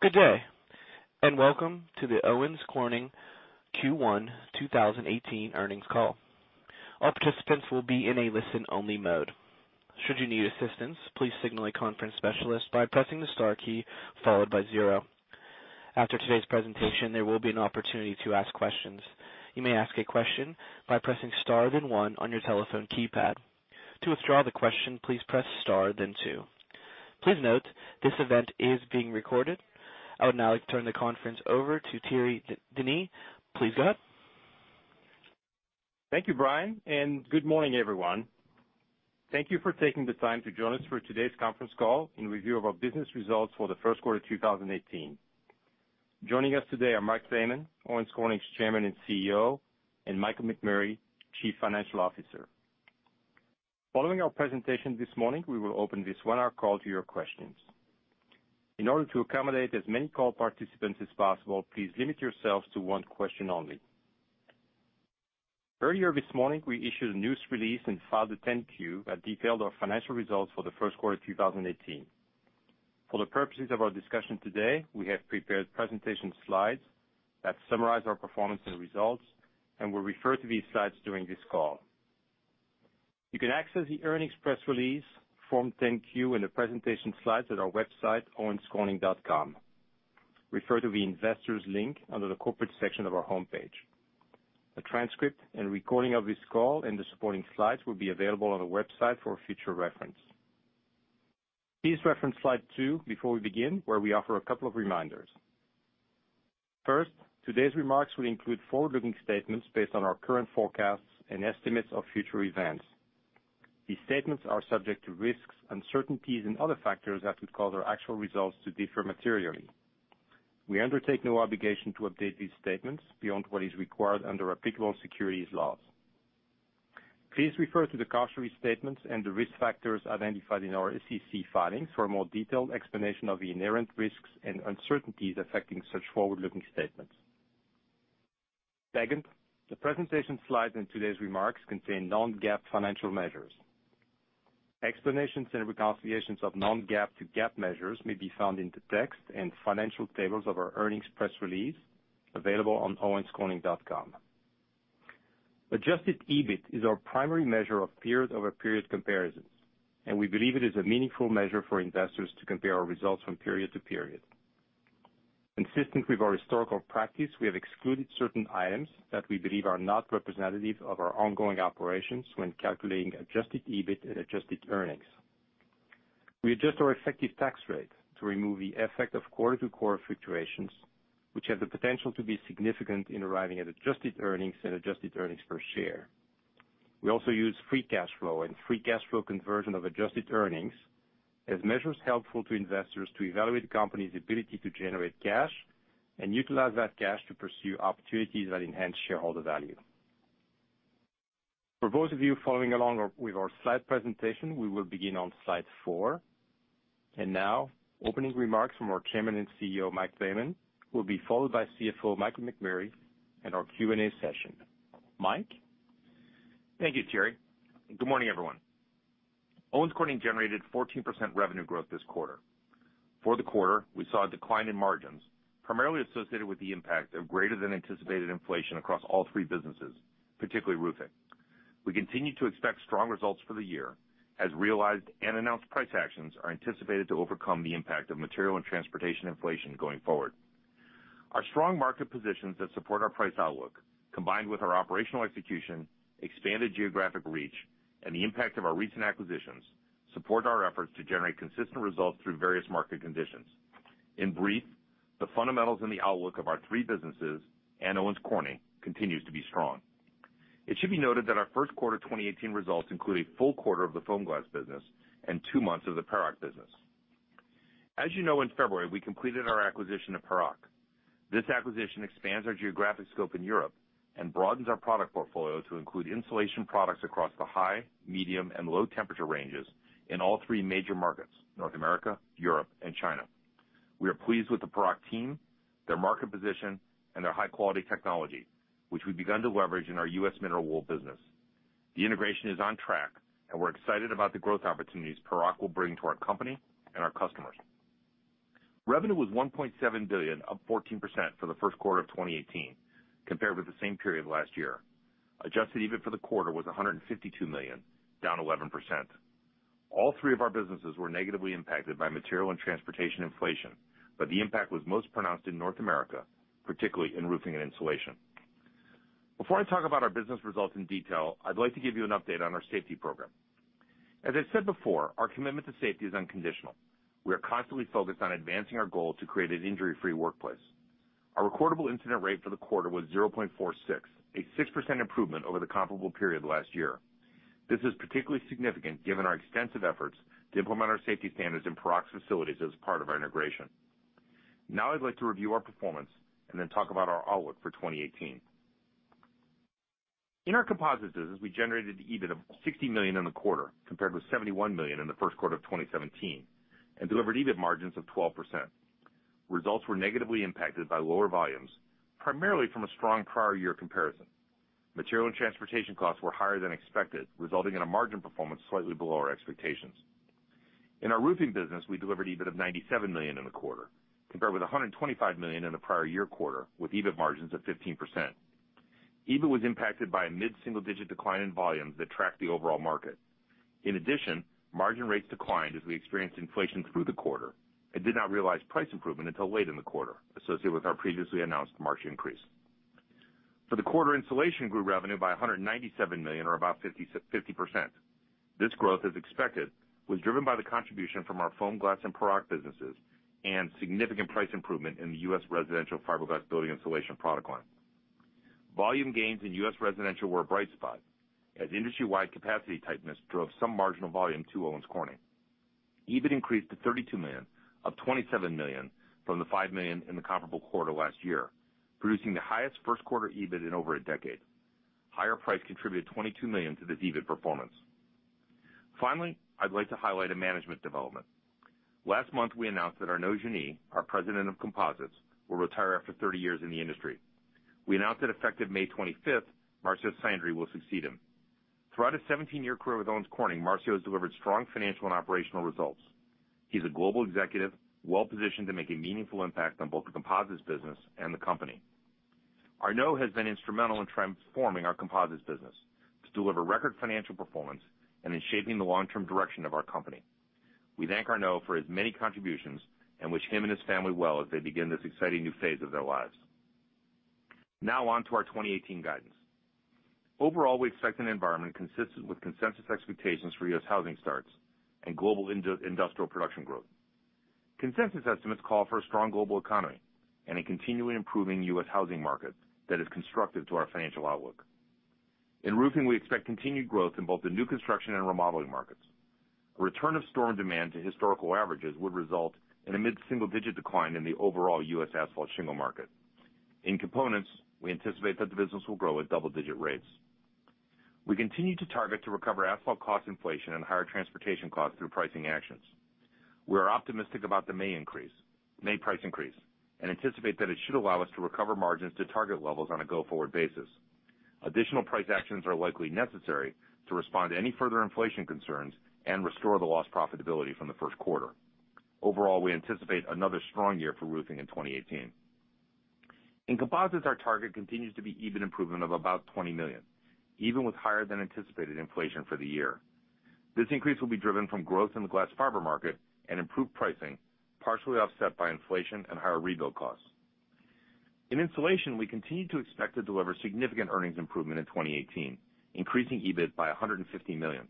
Good day, and welcome to the Owens Corning Q1 2018 earnings call. All participants will be in a listen-only mode. Should you need assistance, please signal a conference specialist by pressing the star key followed by zero. After today's presentation, there will be an opportunity to ask questions. You may ask a question by pressing star then one on your telephone keypad. To withdraw the question, please press star then two. Please note this event is being recorded. I would now like to turn the conference over to Thierry Denis. Please go ahead. Thank you, Brian, and good morning, everyone. Thank you for taking the time to join us for today's conference call and review of our business results for the first quarter 2018. Joining us today are Mike Thaman, Owens Corning's Chairman and CEO, and Michael McMurray, Chief Financial Officer. Following our presentation this morning, we will open this one-hour call to your questions. In order to accommodate as many call participants as possible, please limit yourselves to one question only. Earlier this morning, we issued a news release and filed a Form 10-Q that detailed our financial results for the first quarter 2018. For the purposes of our discussion today, we have prepared presentation slides that summarize our performance and results, and we'll refer to these slides during this call. You can access the earnings press release, Form 10-Q, and the presentation slides at our website, owenscorning.com. Refer to the investors link under the corporate section of our homepage. A transcript and recording of this call and the supporting slides will be available on our website for future reference. Please reference slide two before we begin, where we offer a couple of reminders. First, today's remarks will include forward-looking statements based on our current forecasts and estimates of future events. These statements are subject to risks, uncertainties, and other factors that would cause our actual results to differ materially. We undertake no obligation to update these statements beyond what is required under applicable securities laws. Please refer to the cautionary statements and the risk factors identified in our SEC filings for a more detailed explanation of the inherent risks and uncertainties affecting such forward-looking statements. Second, the presentation slides and today's remarks contain non-GAAP financial measures. Explanations and reconciliations of non-GAAP to GAAP measures may be found in the text and financial tables of our earnings press release available on owenscorning.com. Adjusted EBIT is our primary measure of period-over-period comparisons, and we believe it is a meaningful measure for investors to compare our results from period to period. Consistent with our historical practice, we have excluded certain items that we believe are not representative of our ongoing operations when calculating adjusted EBIT and adjusted earnings. We adjust our effective tax rate to remove the effect of quarter-to-quarter fluctuations, which have the potential to be significant in arriving at adjusted earnings and adjusted earnings per share. We also use free cash flow and free cash flow conversion of adjusted earnings as measures helpful to investors to evaluate the company's ability to generate cash and utilize that cash to pursue opportunities that enhance shareholder value. For those of you following along with our slide presentation, we will begin on slide four. And now, opening remarks from our Chairman and CEO, Mike Thaman, will be followed by CFO, Michael McMurray, and our Q&A session. Mike. Thank you, Thierry. Good morning, everyone. Owens Corning generated 14% revenue growth this quarter. For the quarter, we saw a decline in margins, primarily associated with the impact of greater-than-anticipated inflation across all three businesses, particularly roofing. We continue to expect strong results for the year, as realized and announced price actions are anticipated to overcome the impact of material and transportation inflation going forward. Our strong market positions that support our price outlook, combined with our operational execution, expanded geographic reach, and the impact of our recent acquisitions, support our efforts to generate consistent results through various market conditions. In brief, the fundamentals and the outlook of our three businesses and Owens Corning continues to be strong. It should be noted that our first quarter 2018 results include a full quarter of the FOAMGLAS business and two months of the Paroc business. As you know, in February, we completed our acquisition of Paroc. This acquisition expands our geographic scope in Europe and broadens our product portfolio to include insulation products across the high, medium, and low temperature ranges in all three major markets: North America, Europe, and China. We are pleased with the Paroc team, their market position, and their high-quality technology, which we've begun to leverage in our U.S. mineral wool business. The integration is on track, and we're excited about the growth opportunities Paroc will bring to our company and our customers. Revenue was $1.7 billion, up 14% for the first quarter of 2018, compared with the same period last year. Adjusted EBIT for the quarter was $152 million, down 11%. All three of our businesses were negatively impacted by material and transportation inflation, but the impact was most pronounced in North America, particularly in roofing and insulation. Before I talk about our business results in detail, I'd like to give you an update on our safety program. As I've said before, our commitment to safety is unconditional. We are constantly focused on advancing our goal to create an injury-free workplace. Our recordable incident rate for the quarter was 0.46, a 6% improvement over the comparable period last year. This is particularly significant given our extensive efforts to implement our safety standards in Paroc's facilities as part of our integration. Now, I'd like to review our performance and then talk about our outlook for 2018. In our Composites business, we generated EBIT of $60 million in the quarter, compared with $71 million in the first quarter of 2017, and delivered EBIT margins of 12%. Results were negatively impacted by lower volumes, primarily from a strong prior year comparison. Material and transportation costs were higher than expected, resulting in a margin performance slightly below our expectations. In our roofing business, we delivered EBIT of $97 million in the quarter, compared with $125 million in the prior year quarter, with EBIT margins of 15%. EBIT was impacted by a mid-single-digit decline in volumes that tracked the overall market. In addition, margin rates declined as we experienced inflation through the quarter and did not realize price improvement until late in the quarter, associated with our previously announced margin increase. For the quarter, insulation grew revenue by $197 million, or about 50%. This growth, as expected, was driven by the contribution from our FOAMGLAS and Paroc businesses and significant price improvement in the U.S. residential fiberglass building insulation product line. Volume gains in U.S. residential were a bright spot, as industry-wide capacity tightness drove some marginal volume to Owens Corning. EBIT increased to $32 million, up $27 million from the $5 million in the comparable quarter last year, producing the highest first quarter EBIT in over a decade. Higher price contributed $22 million to this EBIT performance. Finally, I'd like to highlight a management development. Last month, we announced that our Arnaud Genis, our President of Composites, will retire after 30 years in the industry. We announced that effective May 25th, Marcio Sandri will succeed him. Throughout his 17-year career with Owens Corning, Marcio has delivered strong financial and operational results. He's a global executive, well-positioned to make a meaningful impact on both the composites business and the company. Arnaud has been instrumental in transforming our composites business to deliver record financial performance and in shaping the long-term direction of our company. We thank Arnaud for his many contributions and wish him and his family well as they begin this exciting new phase of their lives. Now, on to our 2018 guidance. Overall, we expect an environment consistent with consensus expectations for U.S. housing starts and global industrial production growth. Consensus estimates call for a strong global economy and a continuing improving U.S. housing market that is constructive to our financial outlook. In roofing, we expect continued growth in both the new construction and remodeling markets. A return of storm demand to historical averages would result in a mid-single-digit decline in the overall U.S. asphalt shingle market. In components, we anticipate that the business will grow at double-digit rates. We continue to target to recover asphalt cost inflation and higher transportation costs through pricing actions. We are optimistic about the May price increase and anticipate that it should allow us to recover margins to target levels on a go-forward basis. Additional price actions are likely necessary to respond to any further inflation concerns and restore the lost profitability from the first quarter. Overall, we anticipate another strong year for roofing in 2018. In composites, our target continues to be EBIT improvement of about $20 million, even with higher-than-anticipated inflation for the year. This increase will be driven from growth in the glass fiber market and improved pricing, partially offset by inflation and higher rebuild costs. In insulation, we continue to expect to deliver significant earnings improvement in 2018, increasing EBIT by $150 million.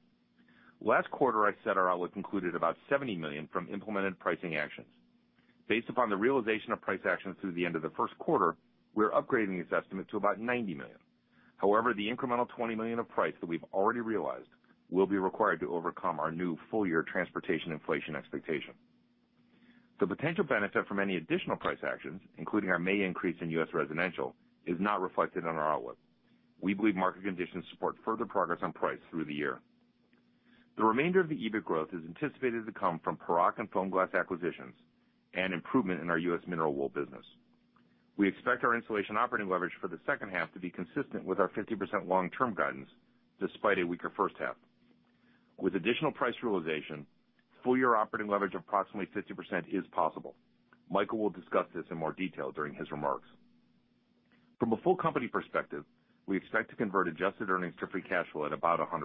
Last quarter, I said our outlook included about $70 million from implemented pricing actions. Based upon the realization of price actions through the end of the first quarter, we're upgrading this estimate to about $90 million. However, the incremental $20 million of price that we've already realized will be required to overcome our new full-year transportation inflation expectation. The potential benefit from any additional price actions, including our May increase in U.S. residential, is not reflected in our outlook. We believe market conditions support further progress on price through the year. The remainder of the EBIT growth is anticipated to come from Paroc and FOAMGLAS acquisitions and improvement in our U.S. mineral wool business. We expect our insulation operating leverage for the second half to be consistent with our 50% long-term guidance, despite a weaker first half. With additional price realization, full-year operating leverage of approximately 50% is possible. Michael will discuss this in more detail during his remarks. From a full company perspective, we expect to convert adjusted earnings to free cash flow at about 100%.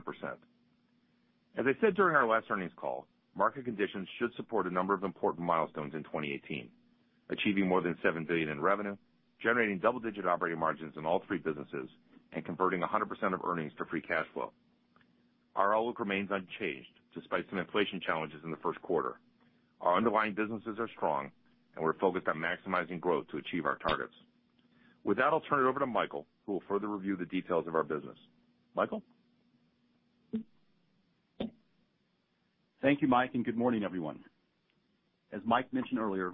As I said during our last earnings call, market conditions should support a number of important milestones in 2018: achieving more than $7 billion in revenue, generating double-digit operating margins in all three businesses, and converting 100% of earnings to free cash flow. Our outlook remains unchanged despite some inflation challenges in the first quarter. Our underlying businesses are strong, and we're focused on maximizing growth to achieve our targets. With that, I'll turn it over to Michael, who will further review the details of our business. Michael? Thank you, Mike, and good morning, everyone. As Mike mentioned earlier,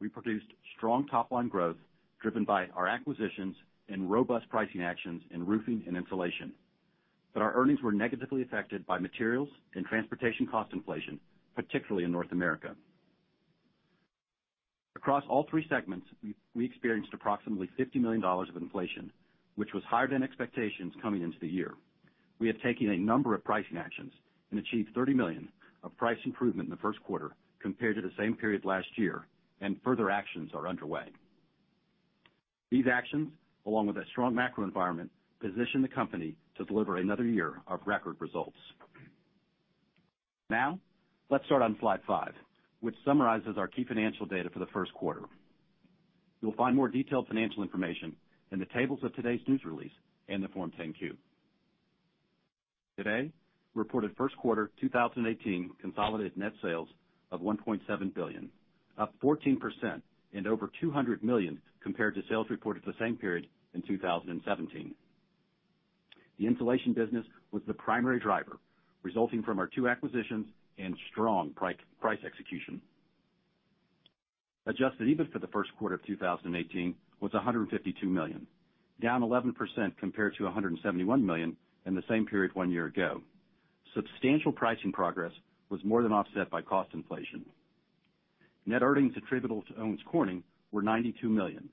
we produced strong top-line growth driven by our acquisitions and robust pricing actions in roofing and insulation. But our earnings were negatively affected by materials and transportation cost inflation, particularly in North America. Across all three segments, we experienced approximately $50 million of inflation, which was higher than expectations coming into the year. We have taken a number of pricing actions and achieved $30 million of price improvement in the first quarter compared to the same period last year, and further actions are underway. These actions, along with a strong macro environment, position the company to deliver another year of record results. Now, let's start on slide five, which summarizes our key financial data for the first quarter. You'll find more detailed financial information in the tables of today's news release and the Form 10-Q. Today, we reported first quarter 2018 consolidated net sales of $1.7 billion, up 14% and over $200 million compared to sales reported for the same period in 2017. The insulation business was the primary driver, resulting from our two acquisitions and strong price execution. Adjusted EBIT for the first quarter of 2018 was $152 million, down 11% compared to $171 million in the same period one year ago. Substantial pricing progress was more than offset by cost inflation. Net earnings attributable to Owens Corning were $92 million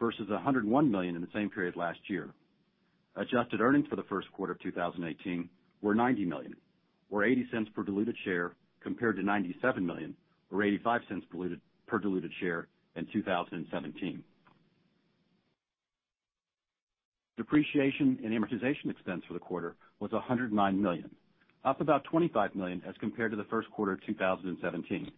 versus $101 million in the same period last year. Adjusted earnings for the first quarter of 2018 were $90 million, or $0.80 per diluted share, compared to $97 million, or $0.85 per diluted share in 2017. Depreciation and amortization expense for the quarter was $109 million, up about $25 million as compared to the first quarter of 2017.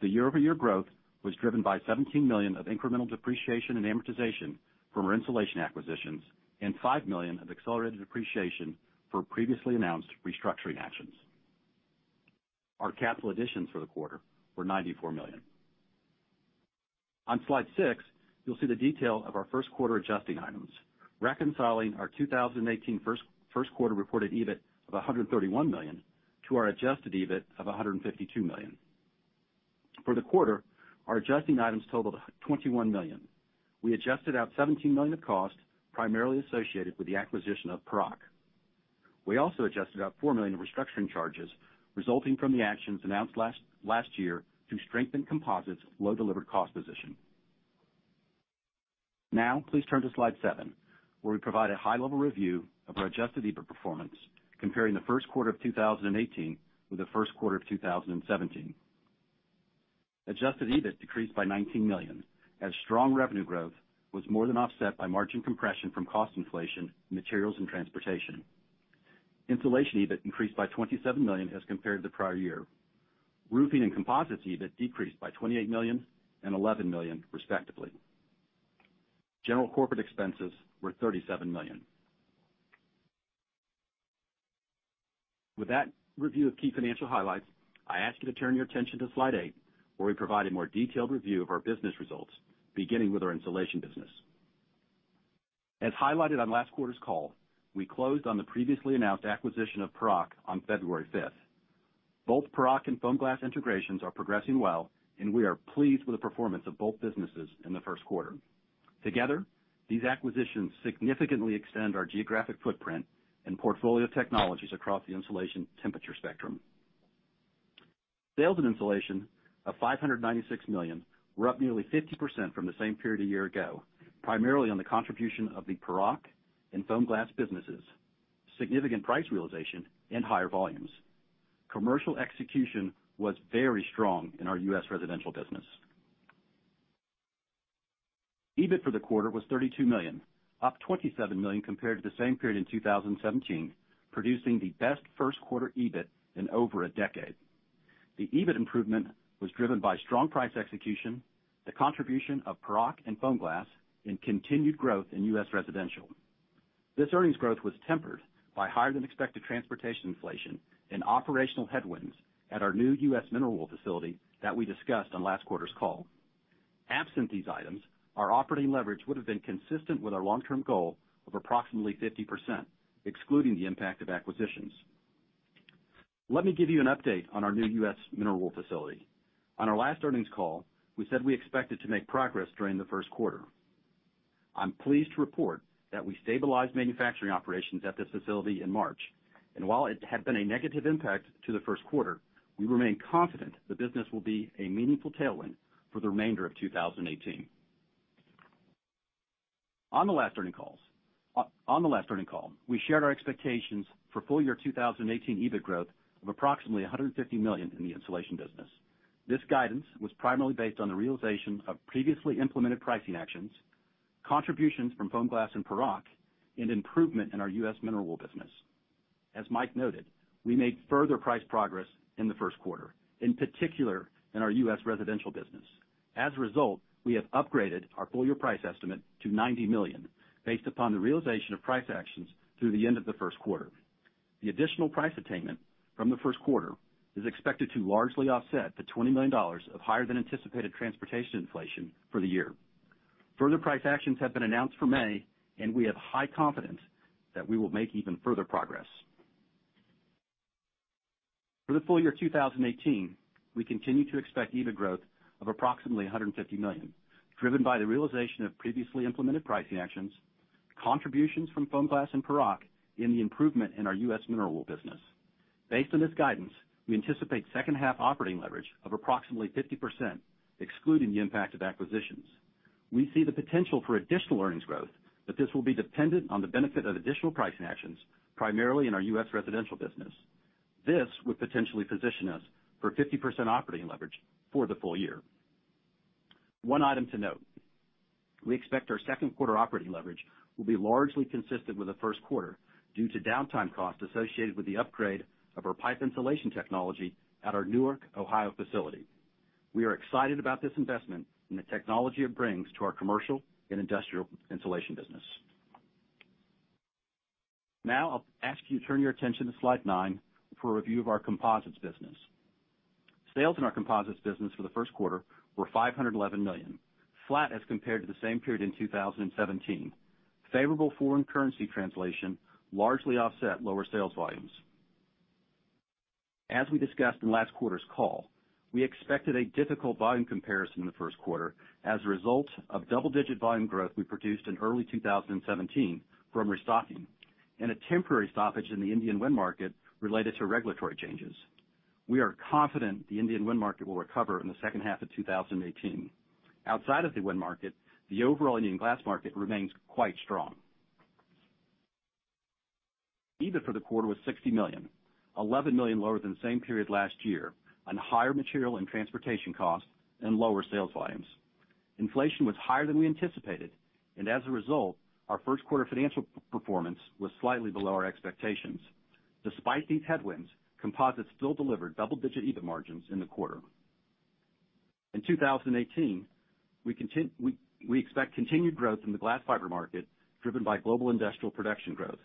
The year-over-year growth was driven by $17 million of incremental depreciation and amortization from our insulation acquisitions and $5 million of accelerated depreciation for previously announced restructuring actions. Our capital additions for the quarter were $94 million. On Slide 6, you'll see the detail of our first quarter adjusting items, reconciling our 2018 first quarter reported EBIT of $131 million to our adjusted EBIT of $152 million. For the quarter, our adjusting items totaled $21 million. We adjusted out $17 million of cost primarily associated with the acquisition of Paroc. We also adjusted out $4 million of restructuring charges resulting from the actions announced last year to strengthen composites' low-delivered cost position. Now, please turn to Slide 7, where we provide a high-level review of our adjusted EBIT performance, comparing the first quarter of 2018 with the first quarter of 2017. Adjusted EBIT decreased by $19 million, as strong revenue growth was more than offset by margin compression from cost inflation in materials and transportation. Insulation EBIT increased by $27 million as compared to the prior year. Roofing and composites' EBIT decreased by $28 million and $11 million, respectively. General corporate expenses were $37 million. With that review of key financial highlights, I ask you to turn your attention to slide eight, where we provide a more detailed review of our business results, beginning with our insulation business. As highlighted on last quarter's call, we closed on the previously announced acquisition of Paroc on February 5th. Both Paroc and FOAMGLAS integrations are progressing well, and we are pleased with the performance of both businesses in the first quarter. Together, these acquisitions significantly extend our geographic footprint and portfolio technologies across the insulation temperature spectrum. Sales in insulation of $596 million were up nearly 50% from the same period a year ago, primarily on the contribution of the Paroc and FOAMGLAS businesses, significant price realization, and higher volumes. Commercial execution was very strong in our U.S. residential business. EBIT for the quarter was $32 million, up $27 million compared to the same period in 2017, producing the best first quarter EBIT in over a decade. The EBIT improvement was driven by strong price execution, the contribution of Paroc and FOAMGLAS, and continued growth in U.S. residential. This earnings growth was tempered by higher-than-expected transportation inflation and operational headwinds at our new U.S. mineral wool facility that we discussed on last quarter's call. Absent these items, our operating leverage would have been consistent with our long-term goal of approximately 50%, excluding the impact of acquisitions. Let me give you an update on our new U.S. mineral wool facility. On our last earnings call, we said we expected to make progress during the first quarter. I'm pleased to report that we stabilized manufacturing operations at this facility in March, and while it had been a negative impact to the first quarter, we remain confident the business will be a meaningful tailwind for the remainder of 2018. On the last earnings call, we shared our expectations for full-year 2018 EBIT growth of approximately $150 million in the insulation business. This guidance was primarily based on the realization of previously implemented pricing actions, contributions from FOAMGLAS and Paroc, and improvement in our U.S. mineral wool business. As Mike noted, we made further price progress in the first quarter, in particular in our U.S. residential business. As a result, we have upgraded our full-year price estimate to $90 million, based upon the realization of price actions through the end of the first quarter. The additional price attainment from the first quarter is expected to largely offset the $20 million of higher-than-anticipated transportation inflation for the year. Further price actions have been announced for May, and we have high confidence that we will make even further progress. For the full year 2018, we continue to expect EBIT growth of approximately $150 million, driven by the realization of previously implemented pricing actions, contributions from FOAMGLAS and Paroc, and the improvement in our U.S. mineral wool business. Based on this guidance, we anticipate second half operating leverage of approximately 50%, excluding the impact of acquisitions. We see the potential for additional earnings growth, but this will be dependent on the benefit of additional pricing actions, primarily in our U.S. residential business. This would potentially position us for 50% operating leverage for the full year. One item to note we expect our second quarter operating leverage will be largely consistent with the first quarter due to downtime costs associated with the upgrade of our pipe insulation technology at our Newark, Ohio facility. We are excited about this investment and the technology it brings to our commercial and industrial insulation business. Now, I'll ask you to turn your attention to slide nine for a review of our composites business. Sales in our composites business for the first quarter were $511 million, flat as compared to the same period in 2017. Favorable foreign currency translation largely offset lower sales volumes. As we discussed in last quarter's call, we expected a difficult volume comparison in the first quarter as a result of double-digit volume growth we produced in early 2017 from restocking and a temporary stoppage in the Indian wind market related to regulatory changes. We are confident the Indian wind market will recover in the second half of 2018. Outside of the wind market, the overall Indian glass market remains quite strong. EBIT for the quarter was $60 million, $11 million lower than the same period last year on higher material and transportation costs and lower sales volumes. Inflation was higher than we anticipated, and as a result, our first quarter financial performance was slightly below our expectations. Despite these headwinds, composites still delivered double-digit EBIT margins in the quarter. In 2018, we expect continued growth in the glass fiber market driven by global industrial production growth.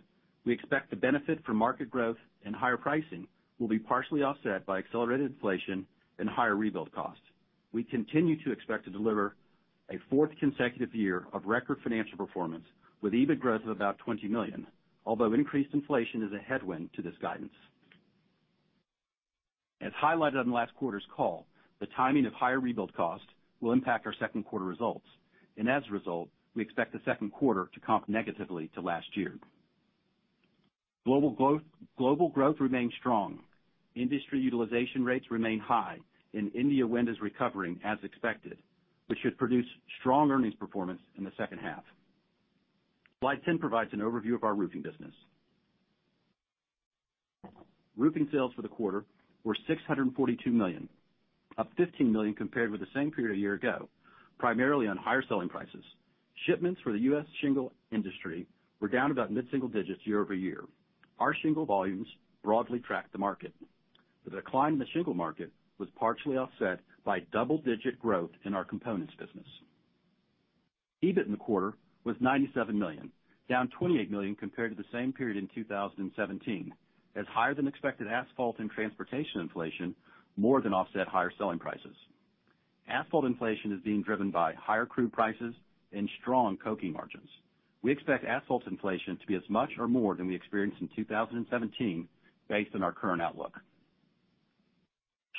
We expect the benefit from market growth and higher pricing will be partially offset by accelerated inflation and higher rebuild costs. We continue to expect to deliver a fourth consecutive year of record financial performance with EBIT growth of about $20 million, although increased inflation is a headwind to this guidance. As highlighted on last quarter's call, the timing of higher rebuild costs will impact our second quarter results, and as a result, we expect the second quarter to comp negatively to last year. Global growth remains strong. Industry utilization rates remain high, and India wind is recovering as expected, which should produce strong earnings performance in the second half. Slide 10 provides an overview of our roofing business. Roofing sales for the quarter were $642 million, up $15 million compared with the same period a year ago, primarily on higher selling prices. Shipments for the U.S. shingle industry were down about mid-single digits year over year. Our shingle volumes broadly tracked the market. The decline in the shingle market was partially offset by double-digit growth in our components business. EBIT in the quarter was $97 million, down $28 million compared to the same period in 2017, as higher-than-expected asphalt and transportation inflation more than offset higher selling prices. Asphalt inflation is being driven by higher crude prices and strong coking margins. We expect asphalt inflation to be as much or more than we experienced in 2017 based on our current outlook.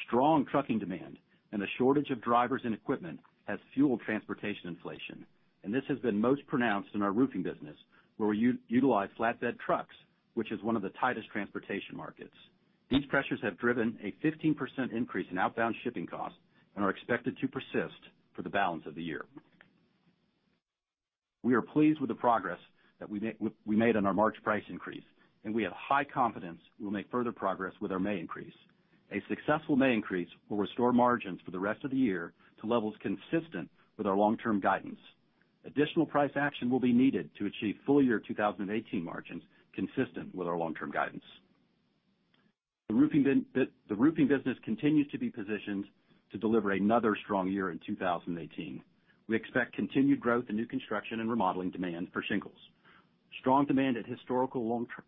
Strong trucking demand and a shortage of drivers and equipment has fueled transportation inflation, and this has been most pronounced in our roofing business, where we utilize flatbed trucks, which is one of the tightest transportation markets. These pressures have driven a 15% increase in outbound shipping costs and are expected to persist for the balance of the year. We are pleased with the progress that we made on our March price increase, and we have high confidence we'll make further progress with our May increase. A successful May increase will restore margins for the rest of the year to levels consistent with our long-term guidance. Additional price action will be needed to achieve full-year 2018 margins consistent with our long-term guidance. The roofing business continues to be positioned to deliver another strong year in 2018. We expect continued growth in new construction and remodeling demand for shingles. Strong demand at historical long-term,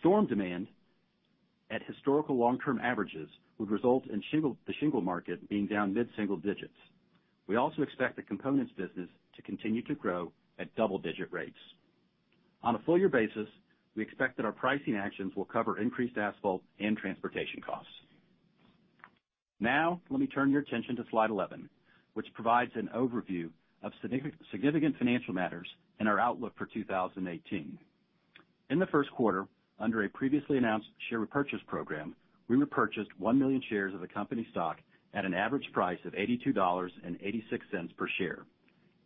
storm demand at historical long-term averages would result in the shingle market being down mid-single digits. We also expect the components business to continue to grow at double-digit rates. On a full-year basis, we expect that our pricing actions will cover increased asphalt and transportation costs. Now, let me turn your attention to slide 11, which provides an overview of significant financial matters and our outlook for 2018. In the first quarter, under a previously announced share repurchase program, we repurchased 1 million shares of the company stock at an average price of $82.86 per share.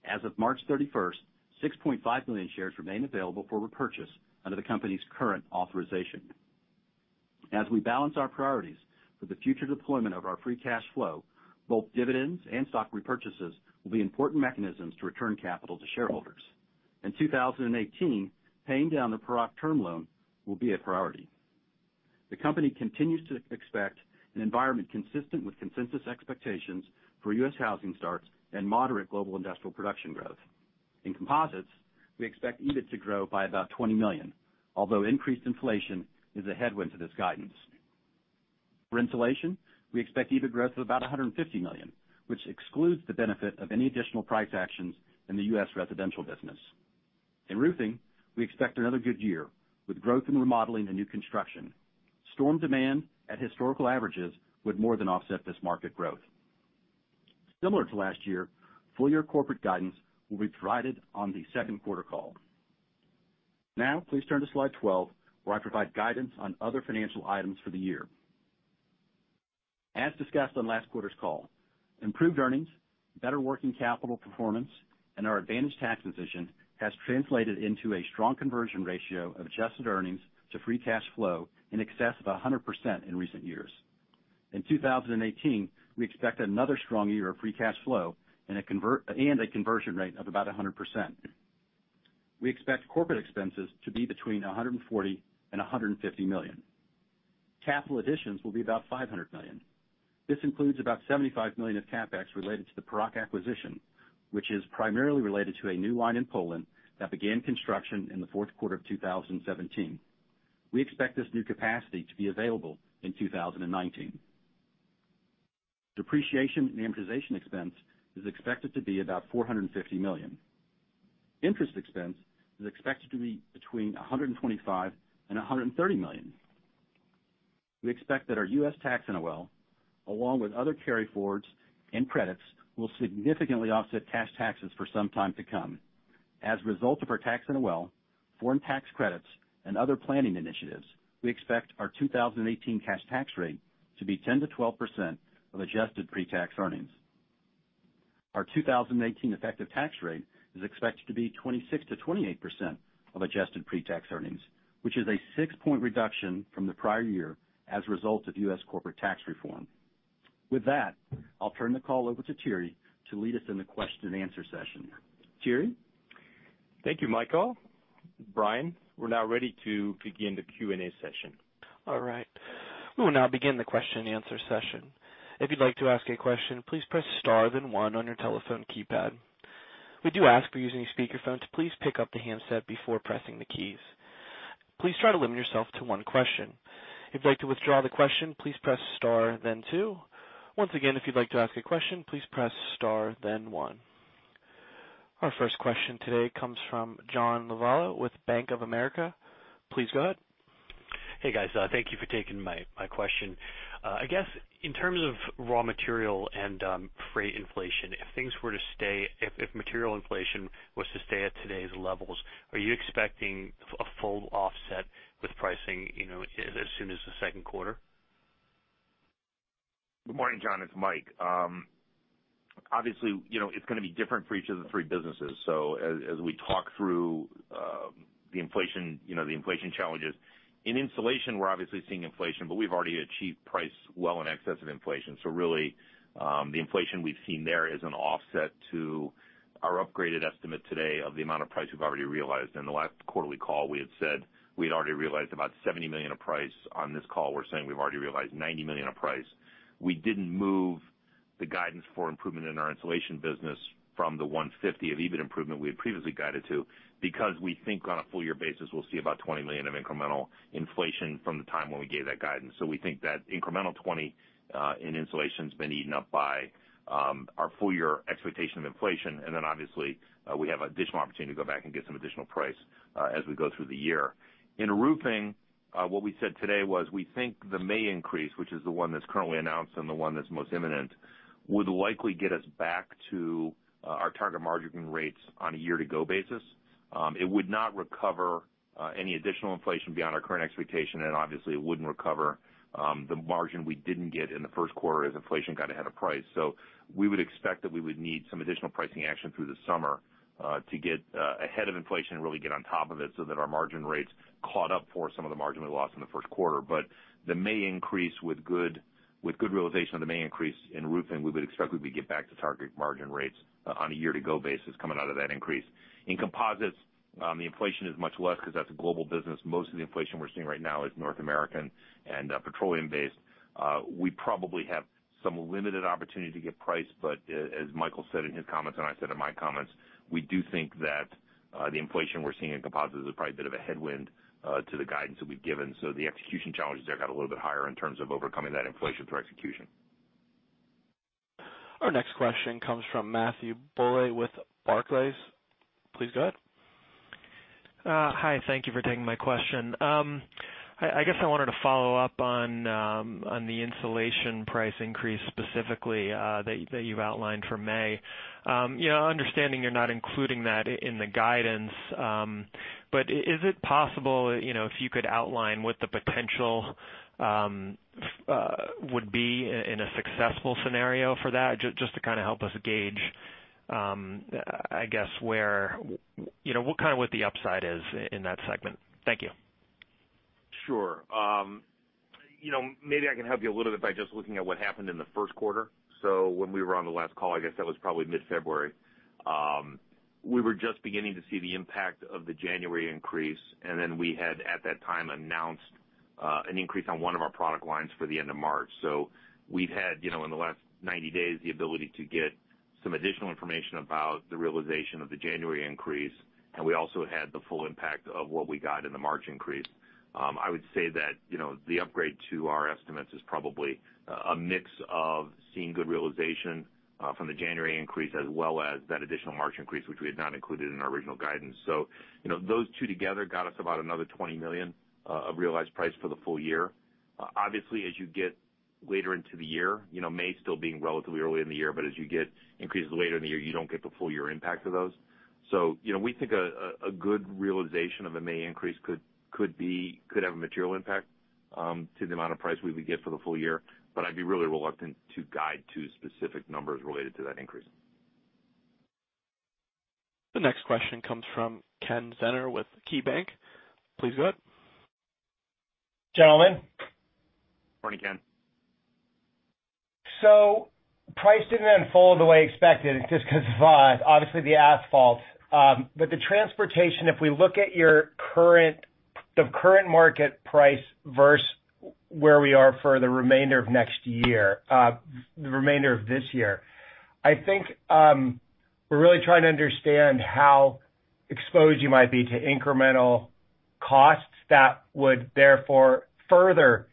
As of March 31st, 6.5 million shares remain available for repurchase under the company's current authorization. As we balance our priorities for the future deployment of our free cash flow, both dividends and stock repurchases will be important mechanisms to return capital to shareholders. In 2018, paying down the Paroc term loan will be a priority. The company continues to expect an environment consistent with consensus expectations for U.S. housing starts and moderate global industrial production growth. In composites, we expect EBIT to grow by about $20 million, although increased inflation is a headwind to this guidance. For insulation, we expect EBIT growth of about $150 million, which excludes the benefit of any additional price actions in the U.S. residential business. In roofing, we expect another good year with growth in remodeling and new construction. Storm demand at historical averages would more than offset this market growth. Similar to last year, full-year corporate guidance will be provided on the second quarter call. Now, please turn to slide 12, where I provide guidance on other financial items for the year. As discussed on last quarter's call, improved earnings, better working capital performance, and our advantageous tax position has translated into a strong conversion ratio of adjusted earnings to free cash flow in excess of 100% in recent years. In 2018, we expect another strong year of free cash flow and a conversion rate of about 100%. We expect corporate expenses to be between $140 million and $150 million. Capital additions will be about $500 million. This includes about $75 million of CapEx related to the Paroc acquisition, which is primarily related to a new line in Poland that began construction in the fourth quarter of 2017. We expect this new capacity to be available in 2019. Depreciation and amortization expense is expected to be about $450 million. Interest expense is expected to be between $125 million and $130 million. We expect that our U.S. tax NOL, along with other carry forwards and credits, will significantly offset cash taxes for some time to come. As a result of our tax NOL, foreign tax credits, and other planning initiatives, we expect our 2018 cash tax rate to be 10%-12% of adjusted pre-tax earnings. Our 2018 effective tax rate is expected to be 26%-28% of adjusted pre-tax earnings, which is a six-point reduction from the prior year as a result of U.S. corporate tax reform. With that, I'll turn the call over to Thierry to lead us in the question and answer session. Thierry? Thank you, Michael. Brian, we're now ready to begin the Q&A session. All right. We will now begin the question and answer session. If you'd like to ask a question, please press star then one on your telephone keypad. We do ask for using a speakerphone, so please pick up the handset before pressing the keys. Please try to limit yourself to one question. If you'd like to withdraw the question, please press star then two. Once again, if you'd like to ask a question, please press star then one. Our first question today comes from John Lovallo with Bank of America. Please go ahead. Hey, guys. Thank you for taking my question. I guess in terms of raw material and freight inflation, if things were to stay, if material inflation was to stay at today's levels, are you expecting a full offset with pricing as soon as the second quarter? Good morning, John. It's Mike. Obviously, it's going to be different for each of the three businesses. So as we talk through the inflation challenges, in insulation, we're obviously seeing inflation, but we've already achieved price well in excess of inflation. So really, the inflation we've seen there is an offset to our upgraded estimate today of the amount of price we've already realized. In the last quarterly call, we had said we had already realized about $70 million of price. On this call, we're saying we've already realized $90 million of price. We didn't move the guidance for improvement in our insulation business from the $150 million of EBIT improvement we had previously guided to because we think on a full-year basis we'll see about $20 million of incremental inflation from the time when we gave that guidance. So we think that incremental 20 in insulation has been eaten up by our full-year expectation of inflation. And then, obviously, we have additional opportunity to go back and get some additional price as we go through the year. In roofing, what we said today was we think the May increase, which is the one that's currently announced and the one that's most imminent, would likely get us back to our target margin rates on a year-to-go basis. It would not recover any additional inflation beyond our current expectation, and obviously, it wouldn't recover the margin we didn't get in the first quarter as inflation got ahead of price. So we would expect that we would need some additional pricing action through the summer to get ahead of inflation and really get on top of it so that our margin rates caught up for some of the margin we lost in the first quarter. But the May increase, with good realization of the May increase in roofing, we would expect we would get back to target margin rates on a year-to-go basis coming out of that increase. In composites, the inflation is much less because that's a global business. Most of the inflation we're seeing right now is North American and petroleum-based. We probably have some limited opportunity to get price, but as Michael said in his comments and I said in my comments, we do think that the inflation we're seeing in composites is probably a bit of a headwind to the guidance that we've given. So the execution challenges there got a little bit higher in terms of overcoming that inflation through execution. Our next question comes from Matthew Bouley with Barclays. Please go ahead. Hi. Thank you for taking my question. I guess I wanted to follow up on the insulation price increase specifically that you've outlined for May. Understanding you're not including that in the guidance, but is it possible if you could outline what the potential would be in a successful scenario for that just to kind of help us gauge, I guess, what kind of the upside is in that segment? Thank you. Sure. Maybe I can help you a little bit by just looking at what happened in the first quarter. So when we were on the last call, I guess that was probably mid-February. We were just beginning to see the impact of the January increase, and then we had, at that time, announced an increase on one of our product lines for the end of March. So we've had, in the last 90 days, the ability to get some additional information about the realization of the January increase, and we also had the full impact of what we got in the March increase. I would say that the upgrade to our estimates is probably a mix of seeing good realization from the January increase as well as that additional March increase, which we had not included in our original guidance. So those two together got us about another $20 million of realized price for the full year. Obviously, as you get later into the year, May still being relatively early in the year, but as you get increases later in the year, you don't get the full-year impact of those. So we think a good realization of a May increase could have a material impact to the amount of price we would get for the full year, but I'd be really reluctant to guide to specific numbers related to that increase. The next question comes from Ken Zener with KeyBanc. Please go ahead. Gentlemen. Morning, Ken. So price didn't unfold the way expected. It just goes by, obviously, the asphalt. But the transportation, if we look at the current market price versus where we are for the remainder of next year, the remainder of this year, I think we're really trying to understand how exposed you might be to incremental costs that would therefore further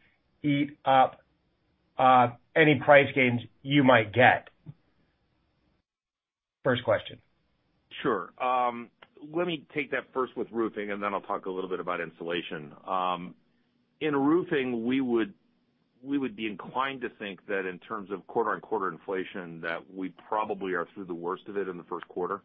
eat up any price gains you might get. First question. Sure. Let me take that first with roofing, and then I'll talk a little bit about insulation. In roofing, we would be inclined to think that in terms of quarter-on-quarter inflation, that we probably are through the worst of it in the first quarter.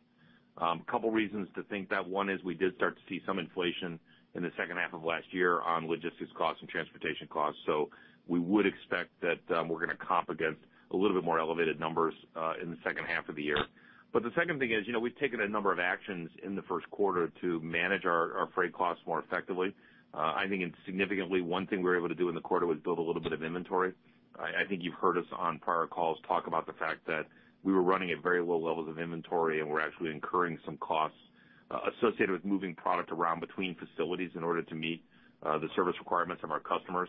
A couple of reasons to think that. One is we did start to see some inflation in the second half of last year on logistics costs and transportation costs. So we would expect that we're going to comp against a little bit more elevated numbers in the second half of the year. But the second thing is we've taken a number of actions in the first quarter to manage our freight costs more effectively. I think significantly, one thing we were able to do in the quarter was build a little bit of inventory. I think you've heard us on prior calls talk about the fact that we were running at very low levels of inventory, and we're actually incurring some costs associated with moving product around between facilities in order to meet the service requirements of our customers.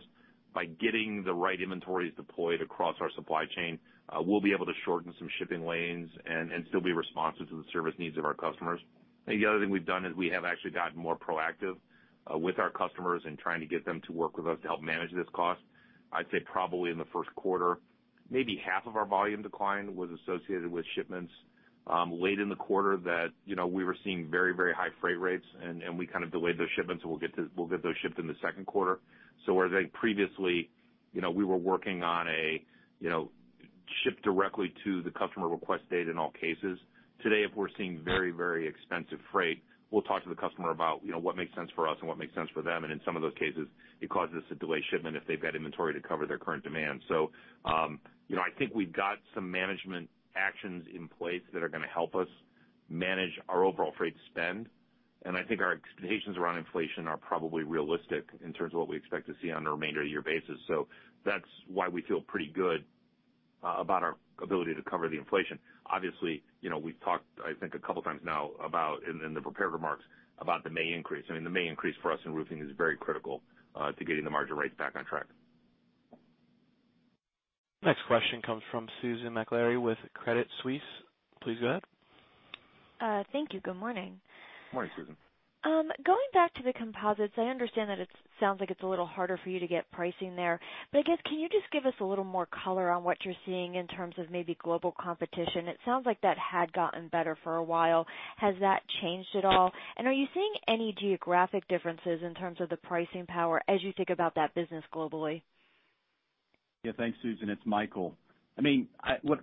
By getting the right inventories deployed across our supply chain, we'll be able to shorten some shipping lanes and still be responsive to the service needs of our customers. The other thing we've done is we have actually gotten more proactive with our customers and trying to get them to work with us to help manage this cost. I'd say probably in the first quarter, maybe half of our volume decline was associated with shipments. Late in the quarter, we were seeing very, very high freight rates, and we kind of delayed those shipments, and we'll get those shipped in the second quarter. So whereas I think previously we were working on a ship directly to the customer request date in all cases, today, if we're seeing very, very expensive freight, we'll talk to the customer about what makes sense for us and what makes sense for them. And in some of those cases, it causes us to delay shipment if they've got inventory to cover their current demand. So I think we've got some management actions in place that are going to help us manage our overall freight spend. And I think our expectations around inflation are probably realistic in terms of what we expect to see on a remainder-of-year basis. So that's why we feel pretty good about our ability to cover the inflation. Obviously, we've talked, I think, a couple of times now in the prepared remarks about the May increase. I mean, the May increase for us in roofing is very critical to getting the margin rates back on track. Next question comes from Susan Maklari with Credit Suisse. Please go ahead. Thank you. Good morning. Good morning, Susan. Going back to the composites, I understand that it sounds like it's a little harder for you to get pricing there. But I guess, can you just give us a little more color on what you're seeing in terms of maybe global competition? It sounds like that had gotten better for a while. Has that changed at all? And are you seeing any geographic differences in terms of the pricing power as you think about that business globally? Yeah. Thanks, Susan. It's Michael. I mean,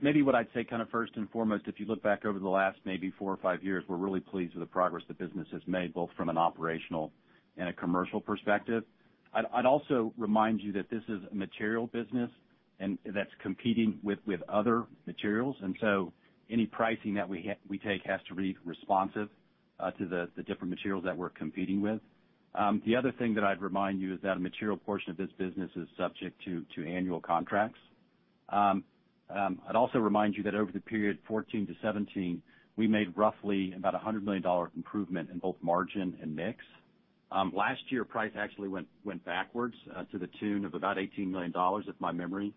maybe what I'd say kind of first and foremost, if you look back over the last maybe four or five years, we're really pleased with the progress the business has made, both from an operational and a commercial perspective. I'd also remind you that this is a material business that's competing with other materials. And so any pricing that we take has to be responsive to the different materials that we're competing with. The other thing that I'd remind you is that a material portion of this business is subject to annual contracts. I'd also remind you that over the period 2014-2017, we made roughly about a $100 million improvement in both margin and mix. Last year, price actually went backwards to the tune of about $18 million, if my memory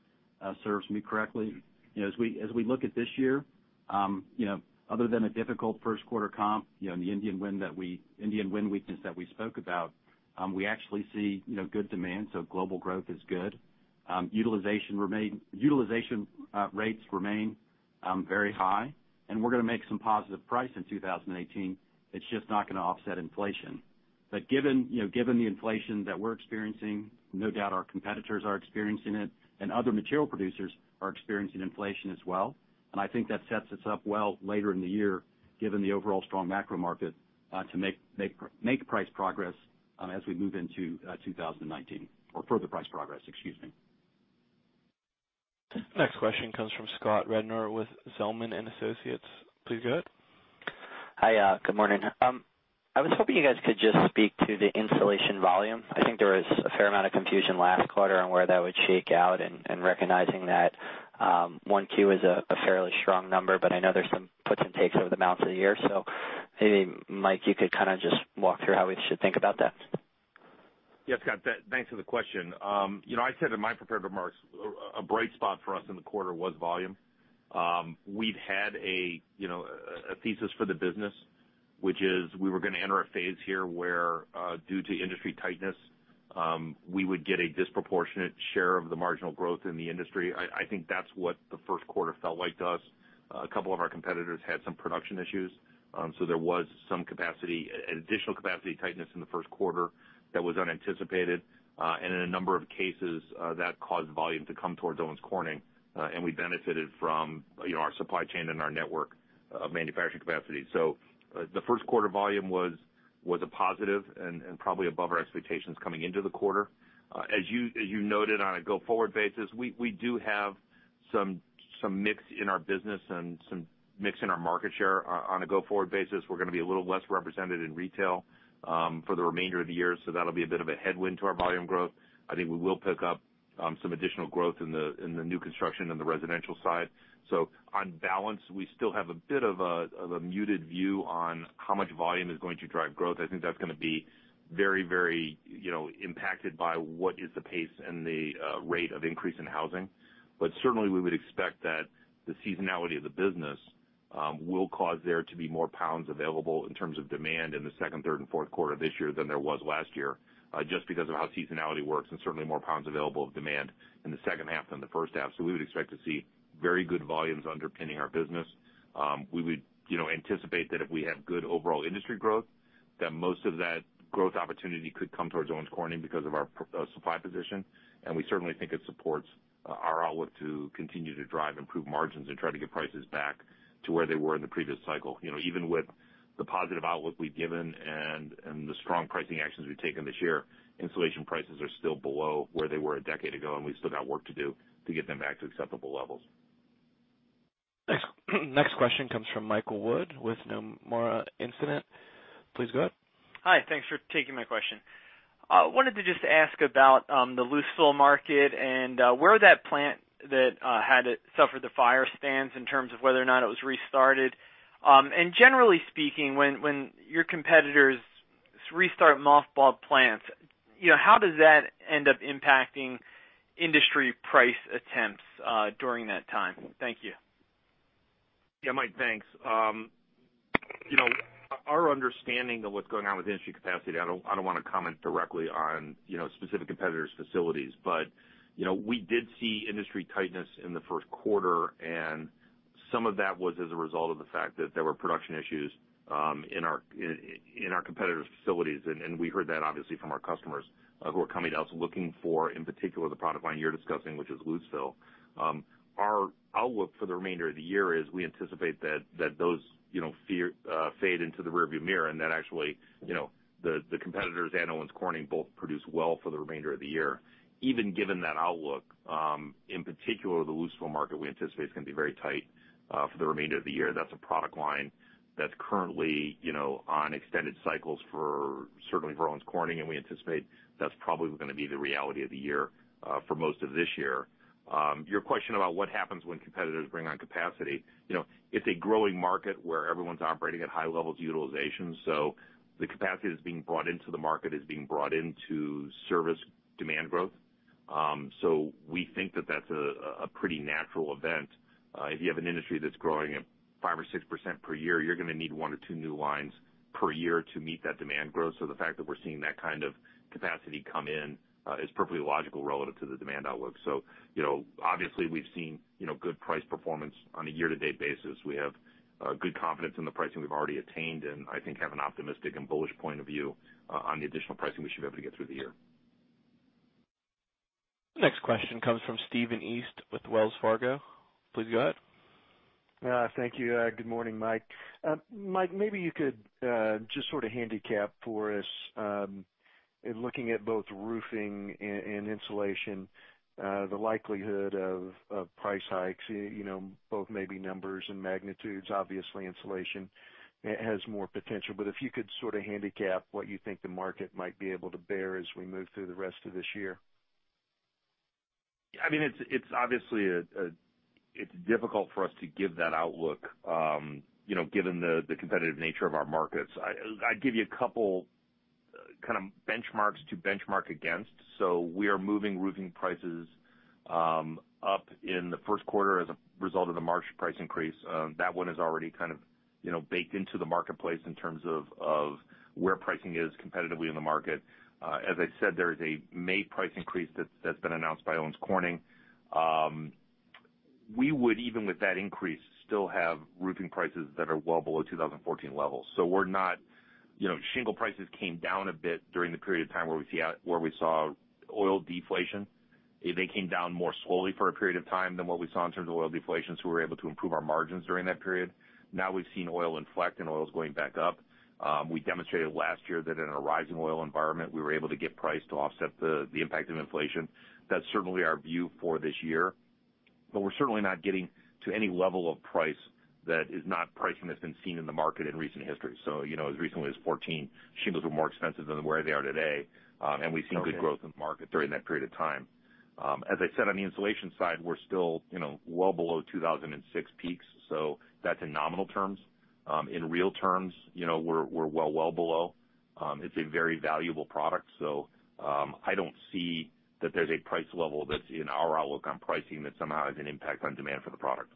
serves me correctly. As we look at this year, other than a difficult first-quarter comp and the Indian wind weakness that we spoke about, we actually see good demand. So global growth is good. Utilization rates remain very high, and we're going to make some positive price in 2018. It's just not going to offset inflation. But given the inflation that we're experiencing, no doubt our competitors are experiencing it, and other material producers are experiencing inflation as well. And I think that sets us up well later in the year, given the overall strong macro market, to make price progress as we move into 2019 or further price progress, excuse me. Next question comes from Scott Rednor with Zelman & Associates. Please go ahead. Hi. Good morning. I was hoping you guys could just speak to the insulation volume. I think there was a fair amount of confusion last quarter on where that would shake out and recognizing that Q1 is a fairly strong number, but I know there's some puts and takes over the balance of the year, so maybe, Mike, you could kind of just walk through how we should think about that. Yes, Scott. Thanks for the question. I said in my prepared remarks, a bright spot for us in the quarter was volume. We'd had a thesis for the business, which is we were going to enter a phase here where, due to industry tightness, we would get a disproportionate share of the marginal growth in the industry. I think that's what the first quarter felt like to us. A couple of our competitors had some production issues, so there was some additional capacity tightness in the first quarter that was unanticipated. And in a number of cases, that caused volume to come towards Owens Corning, and we benefited from our supply chain and our network of manufacturing capacity, so the first quarter volume was a positive and probably above our expectations coming into the quarter. As you noted, on a go-forward basis, we do have some mix in our business and some mix in our market share. On a go-forward basis, we're going to be a little less represented in retail for the remainder of the year, so that'll be a bit of a headwind to our volume growth. I think we will pick up some additional growth in the new construction and the residential side. So on balance, we still have a bit of a muted view on how much volume is going to drive growth. I think that's going to be very, very impacted by what is the pace and the rate of increase in housing. But certainly, we would expect that the seasonality of the business will cause there to be more pounds available in terms of demand in the second, third, and fourth quarter of this year than there was last year just because of how seasonality works and certainly more pounds available of demand in the second half than the first half. So we would expect to see very good volumes underpinning our business. We would anticipate that if we have good overall industry growth, that most of that growth opportunity could come towards Owens Corning because of our supply position. And we certainly think it supports our outlook to continue to drive improved margins and try to get prices back to where they were in the previous cycle. Even with the positive outlook we've given and the strong pricing actions we've taken this year, insulation prices are still below where they were a decade ago, and we've still got work to do to get them back to acceptable levels. Next question comes from Michael Wood with Nomura Instinet. Please go ahead. Hi. Thanks for taking my question. I wanted to just ask about the loose-fill market and where that plant that had suffered the fire stands in terms of whether or not it was restarted, and generally speaking, when your competitors restart mothballed plants, how does that end up impacting industry price attempts during that time? Thank you. Yeah, Mike, thanks. Our understanding of what's going on with industry capacity. I don't want to comment directly on specific competitors' facilities, but we did see industry tightness in the first quarter, and some of that was as a result of the fact that there were production issues in our competitors' facilities, and we heard that, obviously, from our customers who are coming to us looking for, in particular, the product line you're discussing, which is loose-fill. Our outlook for the remainder of the year is we anticipate that those fade into the rearview mirror and that actually the competitors at Owens Corning both produce well for the remainder of the year. Even given that outlook, in particular, the loose-fill market, we anticipate is going to be very tight for the remainder of the year. That's a product line that's currently on extended cycles for certainly for Owens Corning, and we anticipate that's probably going to be the reality of the year for most of this year. Your question about what happens when competitors bring on capacity, it's a growing market where everyone's operating at high levels of utilization. So the capacity that's being brought into the market is being brought into service demand growth. So we think that that's a pretty natural event. If you have an industry that's growing at 5% or 6% per year, you're going to need one or two new lines per year to meet that demand growth. So the fact that we're seeing that kind of capacity come in is perfectly logical relative to the demand outlook. So obviously, we've seen good price performance on a year-to-date basis. We have good confidence in the pricing we've already attained, and I think have an optimistic and bullish point of view on the additional pricing we should be able to get through the year. Next question comes from Stephen East with Wells Fargo. Please go ahead. Thank you. Good morning, Mike. Mike, maybe you could just sort of handicap for us in looking at both roofing and insulation, the likelihood of price hikes, both maybe numbers and magnitudes. Obviously, insulation has more potential. But if you could sort of handicap what you think the market might be able to bear as we move through the rest of this year. Yeah. I mean, it's obviously difficult for us to give that outlook given the competitive nature of our markets. I'd give you a couple of kind of benchmarks to benchmark against. So we are moving roofing prices up in the first quarter as a result of the March price increase. That one is already kind of baked into the marketplace in terms of where pricing is competitively in the market. As I said, there is a May price increase that's been announced by Owens Corning. We would, even with that increase, still have roofing prices that are well below 2014 levels. So our shingle prices came down a bit during the period of time where we saw oil deflation. They came down more slowly for a period of time than what we saw in terms of oil deflation, so we were able to improve our margins during that period. Now we've seen oil inflect and oil is going back up. We demonstrated last year that in a rising oil environment, we were able to get price to offset the impact of inflation. That's certainly our view for this year. But we're certainly not getting to any level of price that is not pricing that's been seen in the market in recent history. So as recently as 2014, shingles were more expensive than where they are today, and we've seen good growth in the market during that period of time. As I said, on the insulation side, we're still well below 2006 peaks. So that's in nominal terms. In real terms, we're well, well below. It's a very valuable product. So I don't see that there's a price level that's in our outlook on pricing that somehow has an impact on demand for the product.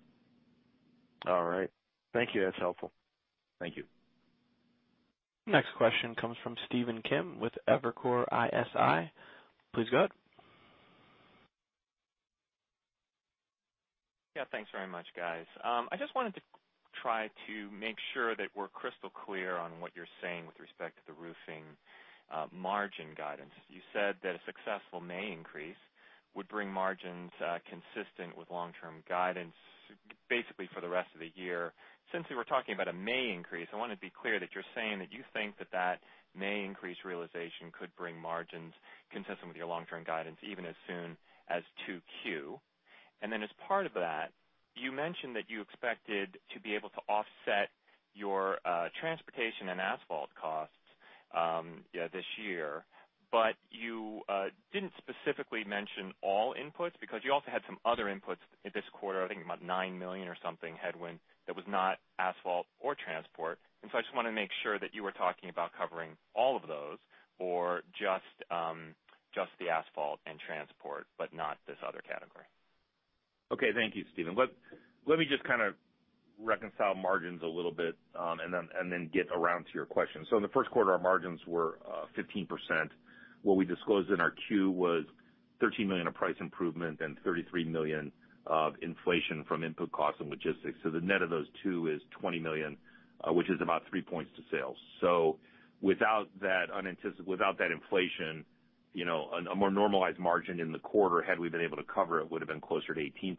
All right. Thank you. That's helpful. Thank you. Next question comes from Stephen Kim with Evercore ISI. Please go ahead. Yeah. Thanks very much, guys. I just wanted to try to make sure that we're crystal clear on what you're saying with respect to the roofing margin guidance. You said that a successful May increase would bring margins consistent with long-term guidance basically for the rest of the year. Since we were talking about a May increase, I want to be clear that you're saying that you think that that May increase realization could bring margins consistent with your long-term guidance even as soon as '2Q. And then as part of that, you mentioned that you expected to be able to offset your transportation and asphalt costs this year. But you didn't specifically mention all inputs because you also had some other inputs this quarter, I think about 9 million or something headwind that was not asphalt or transport. I just wanted to make sure that you were talking about covering all of those or just the asphalt and transport, but not this other category. Okay. Thank you, Stephen. Let me just kind of reconcile margins a little bit and then get around to your question. In the first quarter, our margins were 15%. What we disclosed in our 10-Q was $13 million of price improvement and $33 million of inflation from input costs and logistics. The net of those two is $20 million, which is about three points to sales. Without that inflation, a more normalized margin in the quarter, had we been able to cover it, would have been closer to 18%,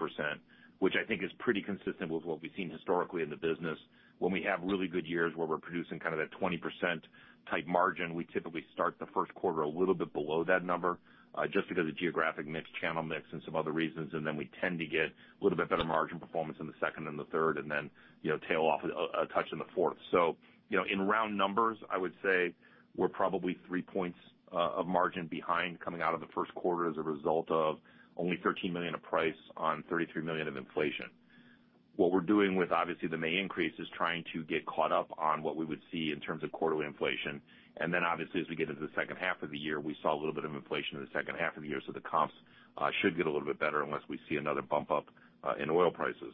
which I think is pretty consistent with what we've seen historically in the business. When we have really good years where we're producing kind of that 20% type margin, we typically start the first quarter a little bit below that number just because of geographic mix, channel mix, and some other reasons. And then we tend to get a little bit better margin performance in the second and the third and then tail off a touch in the fourth. So in round numbers, I would say we're probably three points of margin behind coming out of the first quarter as a result of only $13 million of price on $33 million of inflation. What we're doing with, obviously, the May increase is trying to get caught up on what we would see in terms of quarterly inflation. And then, obviously, as we get into the second half of the year, we saw a little bit of inflation in the second half of the year. So the comps should get a little bit better unless we see another bump up in oil prices.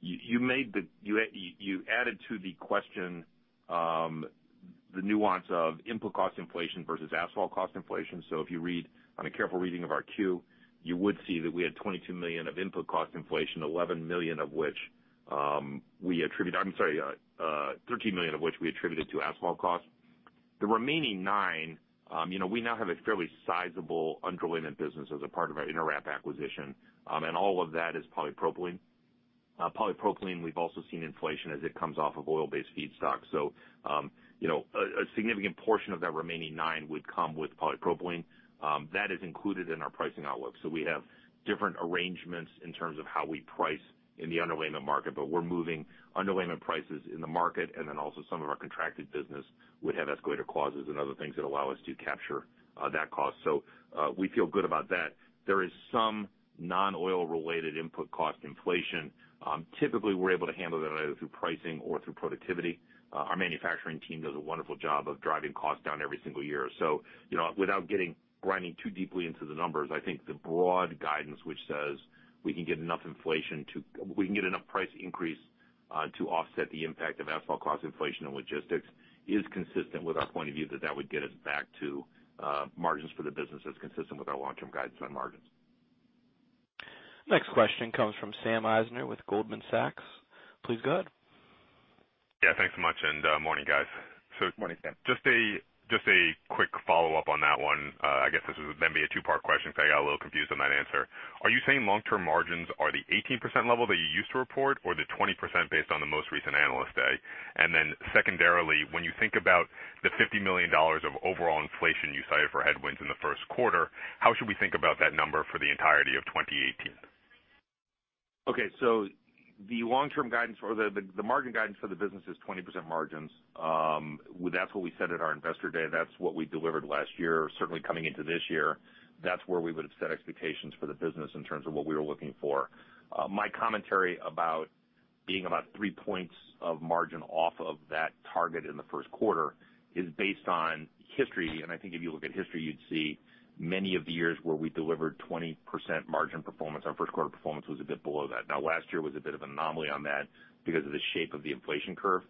You added to the question the nuance of input cost inflation versus asphalt cost inflation. So if you read on a careful reading of our 10-Q, you would see that we had $22 million of input cost inflation, $11 million of which we attributed. I'm sorry, $13 million of which we attributed to asphalt cost. The remaining $9 million, we now have a fairly sizable underlayment business as a part of our InterWrap acquisition. And all of that is polypropylene. Polypropylene, we've also seen inflation as it comes off of oil-based feedstock. So a significant portion of that remaining $9 million would come with polypropylene. That is included in our pricing outlook. So we have different arrangements in terms of how we price in the underlayment market, but we're moving underlayment prices in the market. And then also some of our contracted business would have escalator clauses and other things that allow us to capture that cost. So we feel good about that. There is some non-oil-related input cost inflation. Typically, we're able to handle that either through pricing or through productivity. Our manufacturing team does a wonderful job of driving costs down every single year. So without getting too deeply into the numbers, I think the broad guidance which says we can get enough inflation to—we can get enough price increase to offset the impact of asphalt cost inflation and logistics is consistent with our point of view that that would get us back to margins for the business that's consistent with our long-term guidance on margins. Next question comes from Sam Eisner with Goldman Sachs. Please go ahead. Yeah. Thanks so much. Good morning, guys. So. Morning, Sam. Just a quick follow-up on that one. I guess this would then be a two-part question because I got a little confused on that answer. Are you saying long-term margins are the 18% level that you used to report or the 20% based on the most recent analyst day? And then secondarily, when you think about the $50 million of overall inflation you cited for headwinds in the first quarter, how should we think about that number for the entirety of 2018? Okay. So the long-term guidance or the margin guidance for the business is 20% margins. That's what we said at our investor day. That's what we delivered last year. Certainly, coming into this year, that's where we would have set expectations for the business in terms of what we were looking for. My commentary about being about three points of margin off of that target in the first quarter is based on history. And I think if you look at history, you'd see many of the years where we delivered 20% margin performance, our first quarter performance was a bit below that. Now, last year was a bit of an anomaly on that because of the shape of the inflation curve.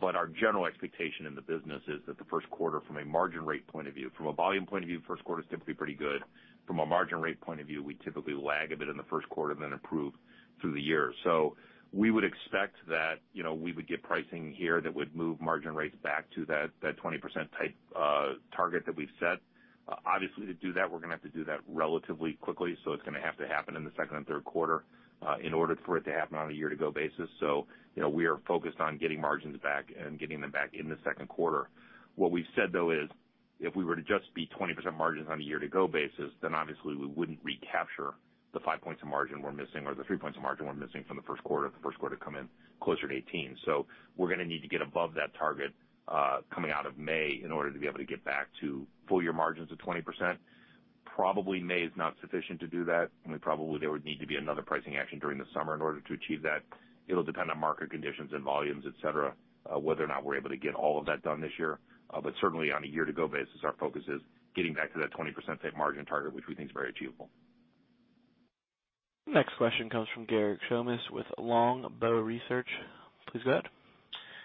But our general expectation in the business is that the first quarter, from a margin rate point of view, from a volume point of view, first quarter is typically pretty good. From a margin rate point of view, we typically lag a bit in the first quarter and then improve through the year. So we would expect that we would get pricing here that would move margin rates back to that 20% type target that we've set. Obviously, to do that, we're going to have to do that relatively quickly. So it's going to have to happen in the second and third quarter in order for it to happen on a year-to-go basis. So we are focused on getting margins back and getting them back in the second quarter. What we've said, though, is if we were to just be 20% margins on a year-to-go basis, then obviously we wouldn't recapture the five points of margin we're missing or the three points of margin we're missing from the first quarter if the first quarter had come in closer to 2018. So we're going to need to get above that target coming out of May in order to be able to get back to full year margins of 20%. Probably May is not sufficient to do that. Probably there would need to be another pricing action during the summer in order to achieve that. It'll depend on market conditions and volumes, etc., whether or not we're able to get all of that done this year. But certainly, on a year-to-go basis, our focus is getting back to that 20% type margin target, which we think is very achievable. Next question comes from Garik Shmois with Longbow Research. Please go ahead.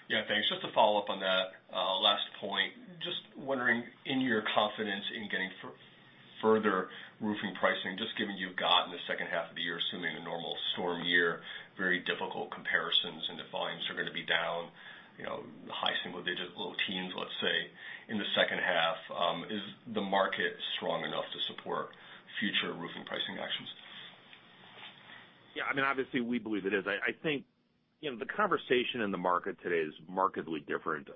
Yeah. Thanks. Just to follow up on that last point, just wondering in your confidence in getting further roofing pricing, just given you've got in the second half of the year, assuming a normal storm year, very difficult comparisons and the volumes are going to be down, high single digits, low teens, let's say, in the second half. Is the market strong enough to support future roofing pricing actions? Yeah. I mean, obviously, we believe it is. I think the conversation in the market today is markedly different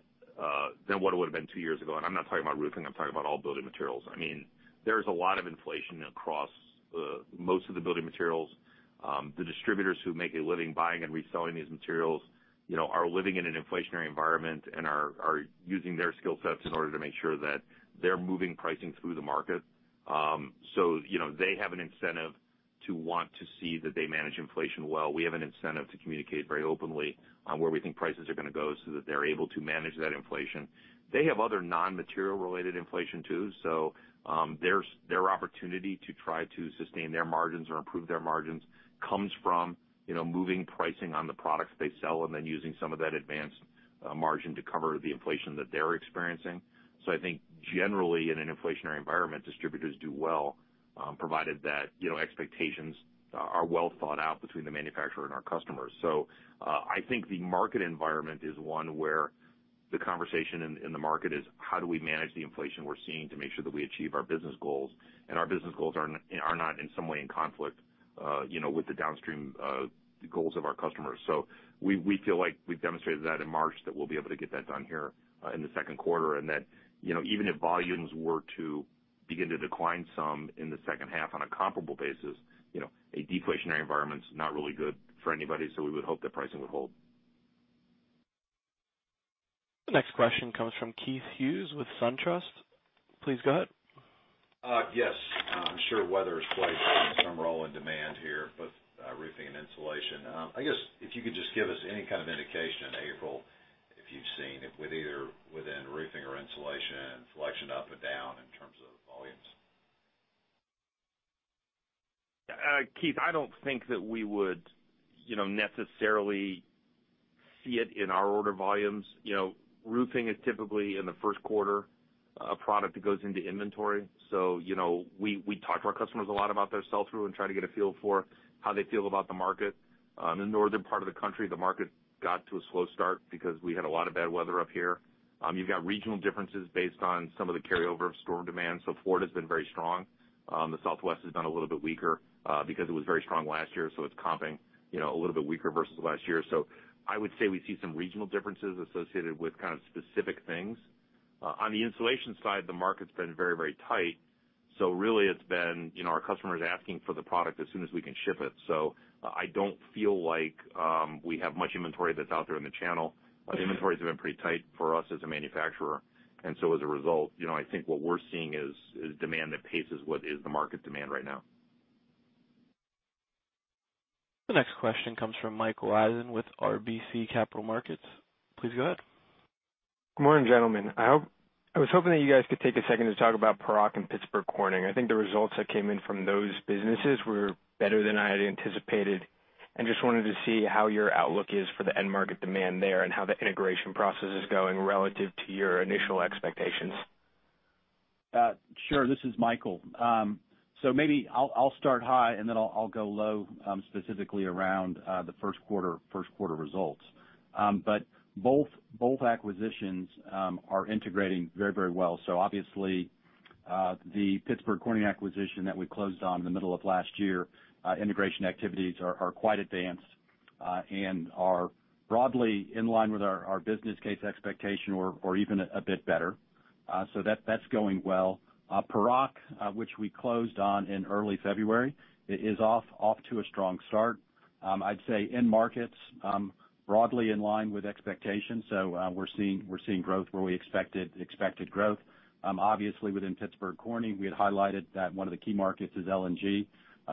than what it would have been two years ago. And I'm not talking about roofing. I'm talking about all building materials. I mean, there's a lot of inflation across most of the building materials. The distributors who make a living buying and reselling these materials are living in an inflationary environment and are using their skill sets in order to make sure that they're moving pricing through the market. So they have an incentive to want to see that they manage inflation well. We have an incentive to communicate very openly on where we think prices are going to go so that they're able to manage that inflation. They have other non-material-related inflation too. So their opportunity to try to sustain their margins or improve their margins comes from moving pricing on the products they sell and then using some of that advanced margin to cover the inflation that they're experiencing. So I think generally in an inflationary environment, distributors do well provided that expectations are well thought out between the manufacturer and our customers. So I think the market environment is one where the conversation in the market is how do we manage the inflation we're seeing to make sure that we achieve our business goals. And our business goals are not in some way in conflict with the downstream goals of our customers. So we feel like we've demonstrated that in March that we'll be able to get that done here in the second quarter and that even if volumes were to begin to decline some in the second half on a comparable basis, a deflationary environment is not really good for anybody. So we would hope that pricing would hold. Next question comes from Keith Hughes with SunTrust. Please go ahead. Yes. I'm sure weather is playing some role in demand here with roofing and insulation. I guess if you could just give us any kind of indication in April if you've seen it with either within roofing or insulation selection up and down in terms of volumes. Keith, I don't think that we would necessarily see it in our order volumes. Roofing is typically in the first quarter a product that goes into inventory. So we talk to our customers a lot about their sell-through and try to get a feel for how they feel about the market. In the northern part of the country, the market got to a slow start because we had a lot of bad weather up here. You've got regional differences based on some of the carryover of storm demand. So Florida has been very strong. The Southwest has been a little bit weaker because it was very strong last year. So it's comping a little bit weaker versus last year. So I would say we see some regional differences associated with kind of specific things. On the insulation side, the market's been very, very tight. So really, it's been our customers asking for the product as soon as we can ship it. So I don't feel like we have much inventory that's out there in the channel. Inventories have been pretty tight for us as a manufacturer. And so as a result, I think what we're seeing is demand that paces what is the market demand right now. The next question comes from Michael Eisen with RBC Capital Markets. Please go ahead. Good morning, gentlemen. I was hoping that you guys could take a second to talk about Paroc and Pittsburgh Corning. I think the results that came in from those businesses were better than I had anticipated, and just wanted to see how your outlook is for the end market demand there and how the integration process is going relative to your initial expectations. Sure. This is Michael. So maybe I'll start high and then I'll go low specifically around the first quarter results. But both acquisitions are integrating very, very well. So obviously, the Pittsburgh Corning acquisition that we closed on in the middle of last year, integration activities are quite advanced and are broadly in line with our business case expectation or even a bit better. So that's going well. Paroc, which we closed on in early February, is off to a strong start. I'd say end markets broadly in line with expectations. So we're seeing growth where we expected growth. Obviously, within Pittsburgh Corning, we had highlighted that one of the key markets is L&G,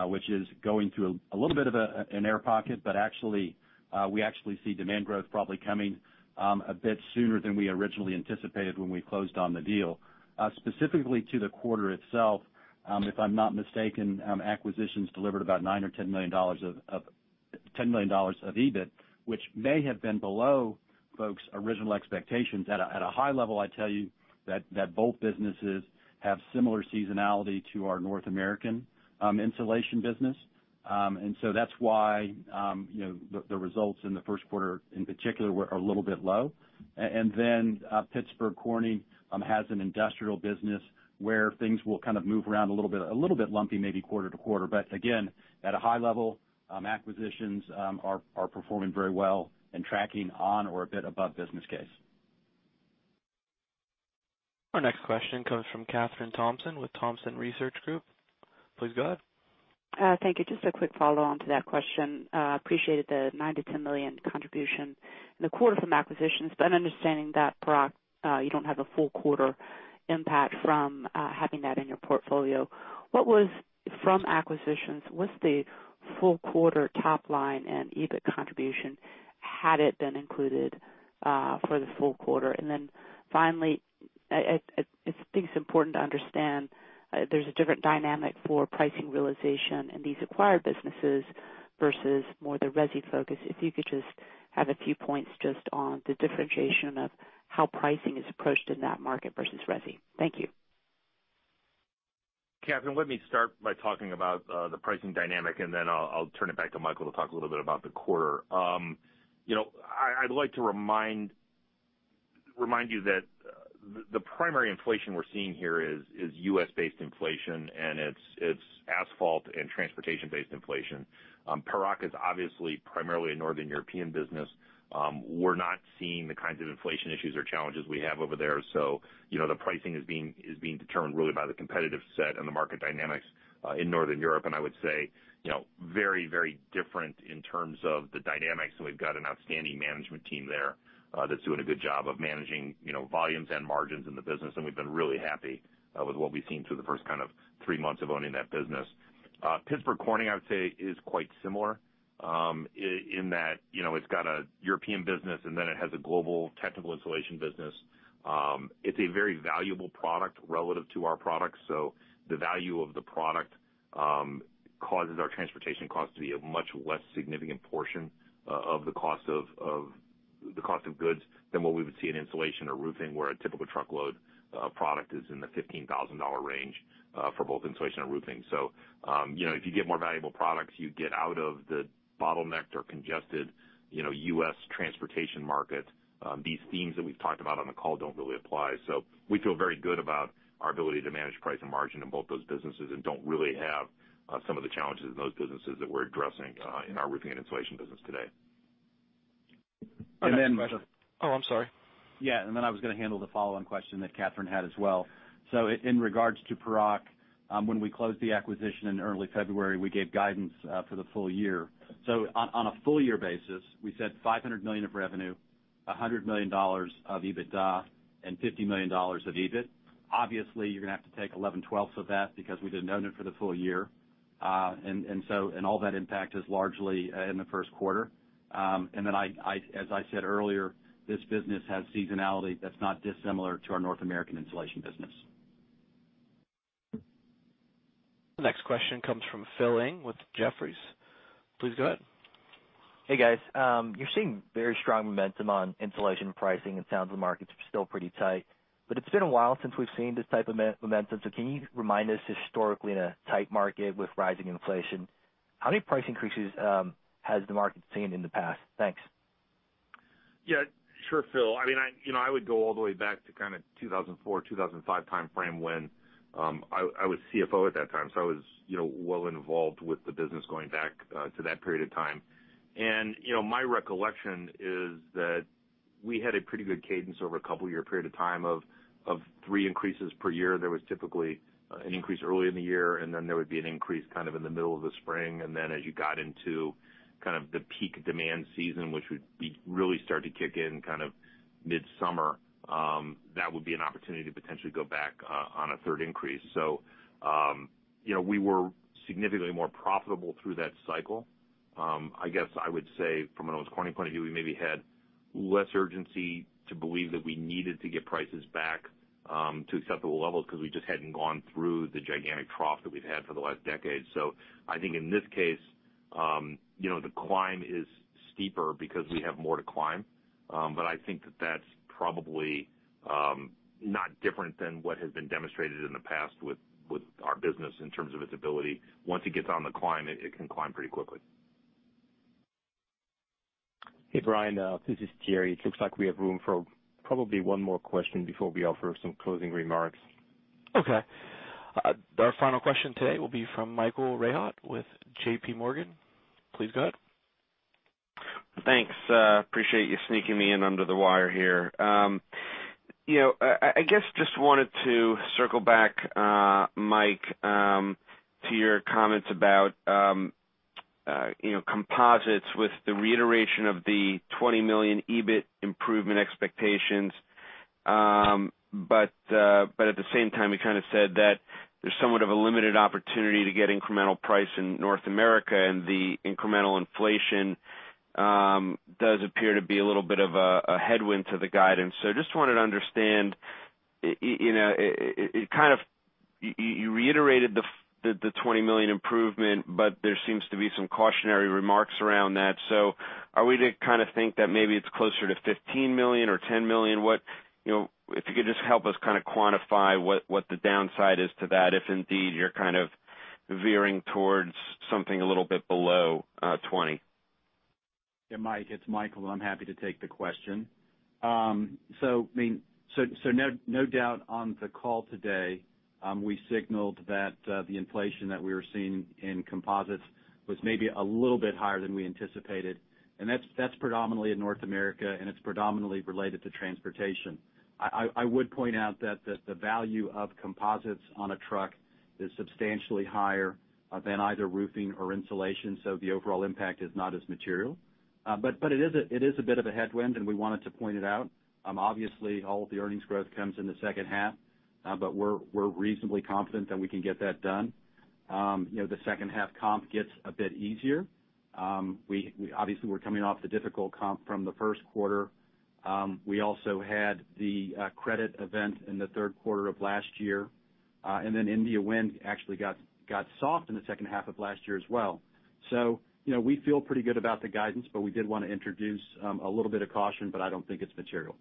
which is going through a little bit of an air pocket, but actually we see demand growth probably coming a bit sooner than we originally anticipated when we closed on the deal. Specifically to the quarter itself, if I'm not mistaken, acquisitions delivered about $9 or $10 million of EBIT, which may have been below folks' original expectations. At a high level, I tell you that both businesses have similar seasonality to our North American insulation business. And so that's why the results in the first quarter in particular are a little bit low. And then Pittsburgh Corning has an industrial business where things will kind of move around a little bit lumpy, maybe quarter to quarter. But again, at a high level, acquisitions are performing very well and tracking on or a bit above business case. Our next question comes from Kathryn Thompson with Thompson Research Group. Please go ahead. Thank you. Just a quick follow-on to that question. Appreciated the $9 million-$10 million contribution in the quarter from acquisitions, but understanding that Paroc, you don't have a full quarter impact from having that in your portfolio. From acquisitions, what's the full quarter top line and EBIT contribution had it been included for the full quarter? And then finally, I think it's important to understand there's a different dynamic for pricing realization in these acquired businesses versus more the Resi focus. If you could just have a few points just on the differentiation of how pricing is approached in that market versus RESI. Thank you. Kathryn, let me start by talking about the pricing dynamic, and then I'll turn it back to Michael to talk a little bit about the quarter. I'd like to remind you that the primary inflation we're seeing here is U.S.-based inflation, and it's asphalt and transportation-based inflation. Paroc is obviously primarily a Northern European business. We're not seeing the kinds of inflation issues or challenges we have over there. So the pricing is being determined really by the competitive set and the market dynamics in Northern Europe. And I would say very, very different in terms of the dynamics. And we've got an outstanding management team there that's doing a good job of managing volumes and margins in the business. And we've been really happy with what we've seen through the first kind of three months of owning that business. Pittsburgh Corning, I would say, is quite similar in that it's got a European business, and then it has a global technical insulation business. It's a very valuable product relative to our products. So the value of the product causes our transportation cost to be a much less significant portion of the cost of goods than what we would see in insulation or roofing, where a typical truckload product is in the $15,000 range for both insulation and roofing. So if you get more valuable products, you get out of the bottlenecked or congested U.S. transportation market. These themes that we've talked about on the call don't really apply. So we feel very good about our ability to manage price and margin in both those businesses and don't really have some of the challenges in those businesses that we're addressing in our roofing and insulation business today. And then. Oh, I'm sorry. Yeah. And then I was going to handle the follow-on question that Kathryn had as well. So in regards to Paroc, when we closed the acquisition in early February, we gave guidance for the full year. So on a full year basis, we said $500 million of revenue, $100 million of EBITDA, and $50 million of EBIT. Obviously, you're going to have to take 11/12ths of that because we didn't own it for the full year. And all that impact is largely in the first quarter. And then, as I said earlier, this business has seasonality that's not dissimilar to our North American insulation business. The next question comes from Philip with Jefferies. Please go ahead. Hey, guys. You're seeing very strong momentum on insulation pricing. It sounds the market's still pretty tight. But it's been a while since we've seen this type of momentum. So can you remind us historically in a tight market with rising inflation, how many price increases has the market seen in the past? Thanks. Yeah. Sure, Phil. I mean, I would go all the way back to kind of 2004, 2005 timeframe when I was CFO at that time. So I was well involved with the business going back to that period of time. And my recollection is that we had a pretty good cadence over a couple-year period of time of three increases per year. There was typically an increase early in the year, and then there would be an increase kind of in the middle of the spring. And then as you got into kind of the peak demand season, which would really start to kick in kind of mid-summer, that would be an opportunity to potentially go back on a third increase. So we were significantly more profitable through that cycle. I guess I would say from an Owens Corning point of view, we maybe had less urgency to believe that we needed to get prices back to acceptable levels because we just hadn't gone through the gigantic trough that we've had for the last decade. So I think in this case, the climb is steeper because we have more to climb. But I think that that's probably not different than what has been demonstrated in the past with our business in terms of its ability. Once it gets on the climb, it can climb pretty quickly. Hey, Brian, this is Thierry. It looks like we have room for probably one more question before we offer some closing remarks. Okay. Our final question today will be from Michael Rehaut with JPMorgan. Please go ahead. Thanks. Appreciate you sneaking me in under the wire here. I guess just wanted to circle back, Mike, to your comments about composites with the reiteration of the $20 million EBIT improvement expectations. But at the same time, you kind of said that there's somewhat of a limited opportunity to get incremental price in North America, and the incremental inflation does appear to be a little bit of a headwind to the guidance. So I just wanted to understand. It kind of you reiterated the $20 million improvement, but there seems to be some cautionary remarks around that. So are we to kind of think that maybe it's closer to $15 million or $10 million? If you could just help us kind of quantify what the downside is to that, if indeed you're kind of veering towards something a little bit below $20 million. It's Michael, and I'm happy to take the question. So no doubt on the call today, we signaled that the inflation that we were seeing in composites was maybe a little bit higher than we anticipated. And that's predominantly in North America, and it's predominantly related to transportation. I would point out that the value of composites on a truck is substantially higher than either roofing or insulation. So the overall impact is not as material. But it is a bit of a headwind, and we wanted to point it out. Obviously, all of the earnings growth comes in the second half, but we're reasonably confident that we can get that done. The second-half comp gets a bit easier. Obviously, we're coming off the difficult comp from the first quarter. We also had the credit event in the third quarter of last year. And then India wind actually got soft in the second half of last year as well. So we feel pretty good about the guidance, but we did want to introduce a little bit of caution, but I don't think it's material.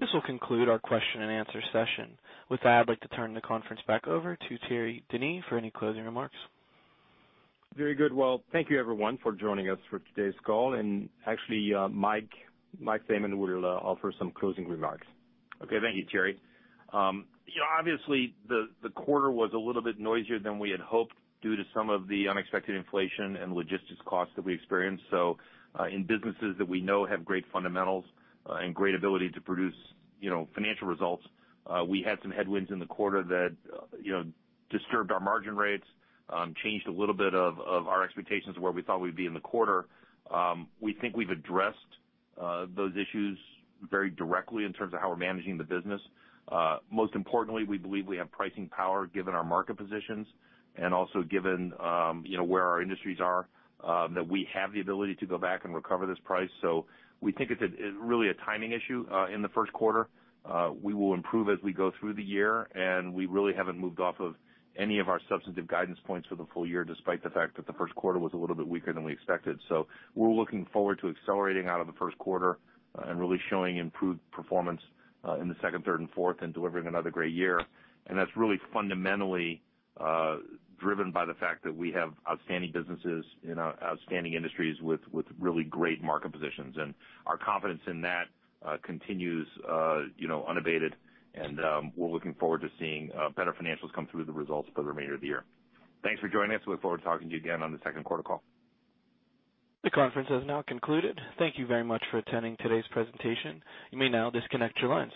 This will conclude our question and answer session. With that, I'd like to turn the conference back over to Thierry Denis for any closing remarks. Very good. Well, thank you, everyone, for joining us for today's call. And actually, Mike Thaman will offer some closing remarks. Okay. Thank you, Thierry. Obviously, the quarter was a little bit noisier than we had hoped due to some of the unexpected inflation and logistics costs that we experienced. So in businesses that we know have great fundamentals and great ability to produce financial results, we had some headwinds in the quarter that disturbed our margin rates, changed a little bit of our expectations of where we thought we'd be in the quarter. We think we've addressed those issues very directly in terms of how we're managing the business. Most importantly, we believe we have pricing power given our market positions and also given where our industries are that we have the ability to go back and recover this price. So we think it's really a timing issue in the first quarter. We will improve as we go through the year, and we really haven't moved off of any of our substantive guidance points for the full year despite the fact that the first quarter was a little bit weaker than we expected. So we're looking forward to accelerating out of the first quarter and really showing improved performance in the second, third, and fourth and delivering another great year. And that's really fundamentally driven by the fact that we have outstanding businesses in outstanding industries with really great market positions. And our confidence in that continues unabated, and we're looking forward to seeing better financials come through the results for the remainder of the year. Thanks for joining us. We look forward to talking to you again on the second quarter call. The conference has now concluded. Thank you very much for attending today's presentation. You may now disconnect your lines.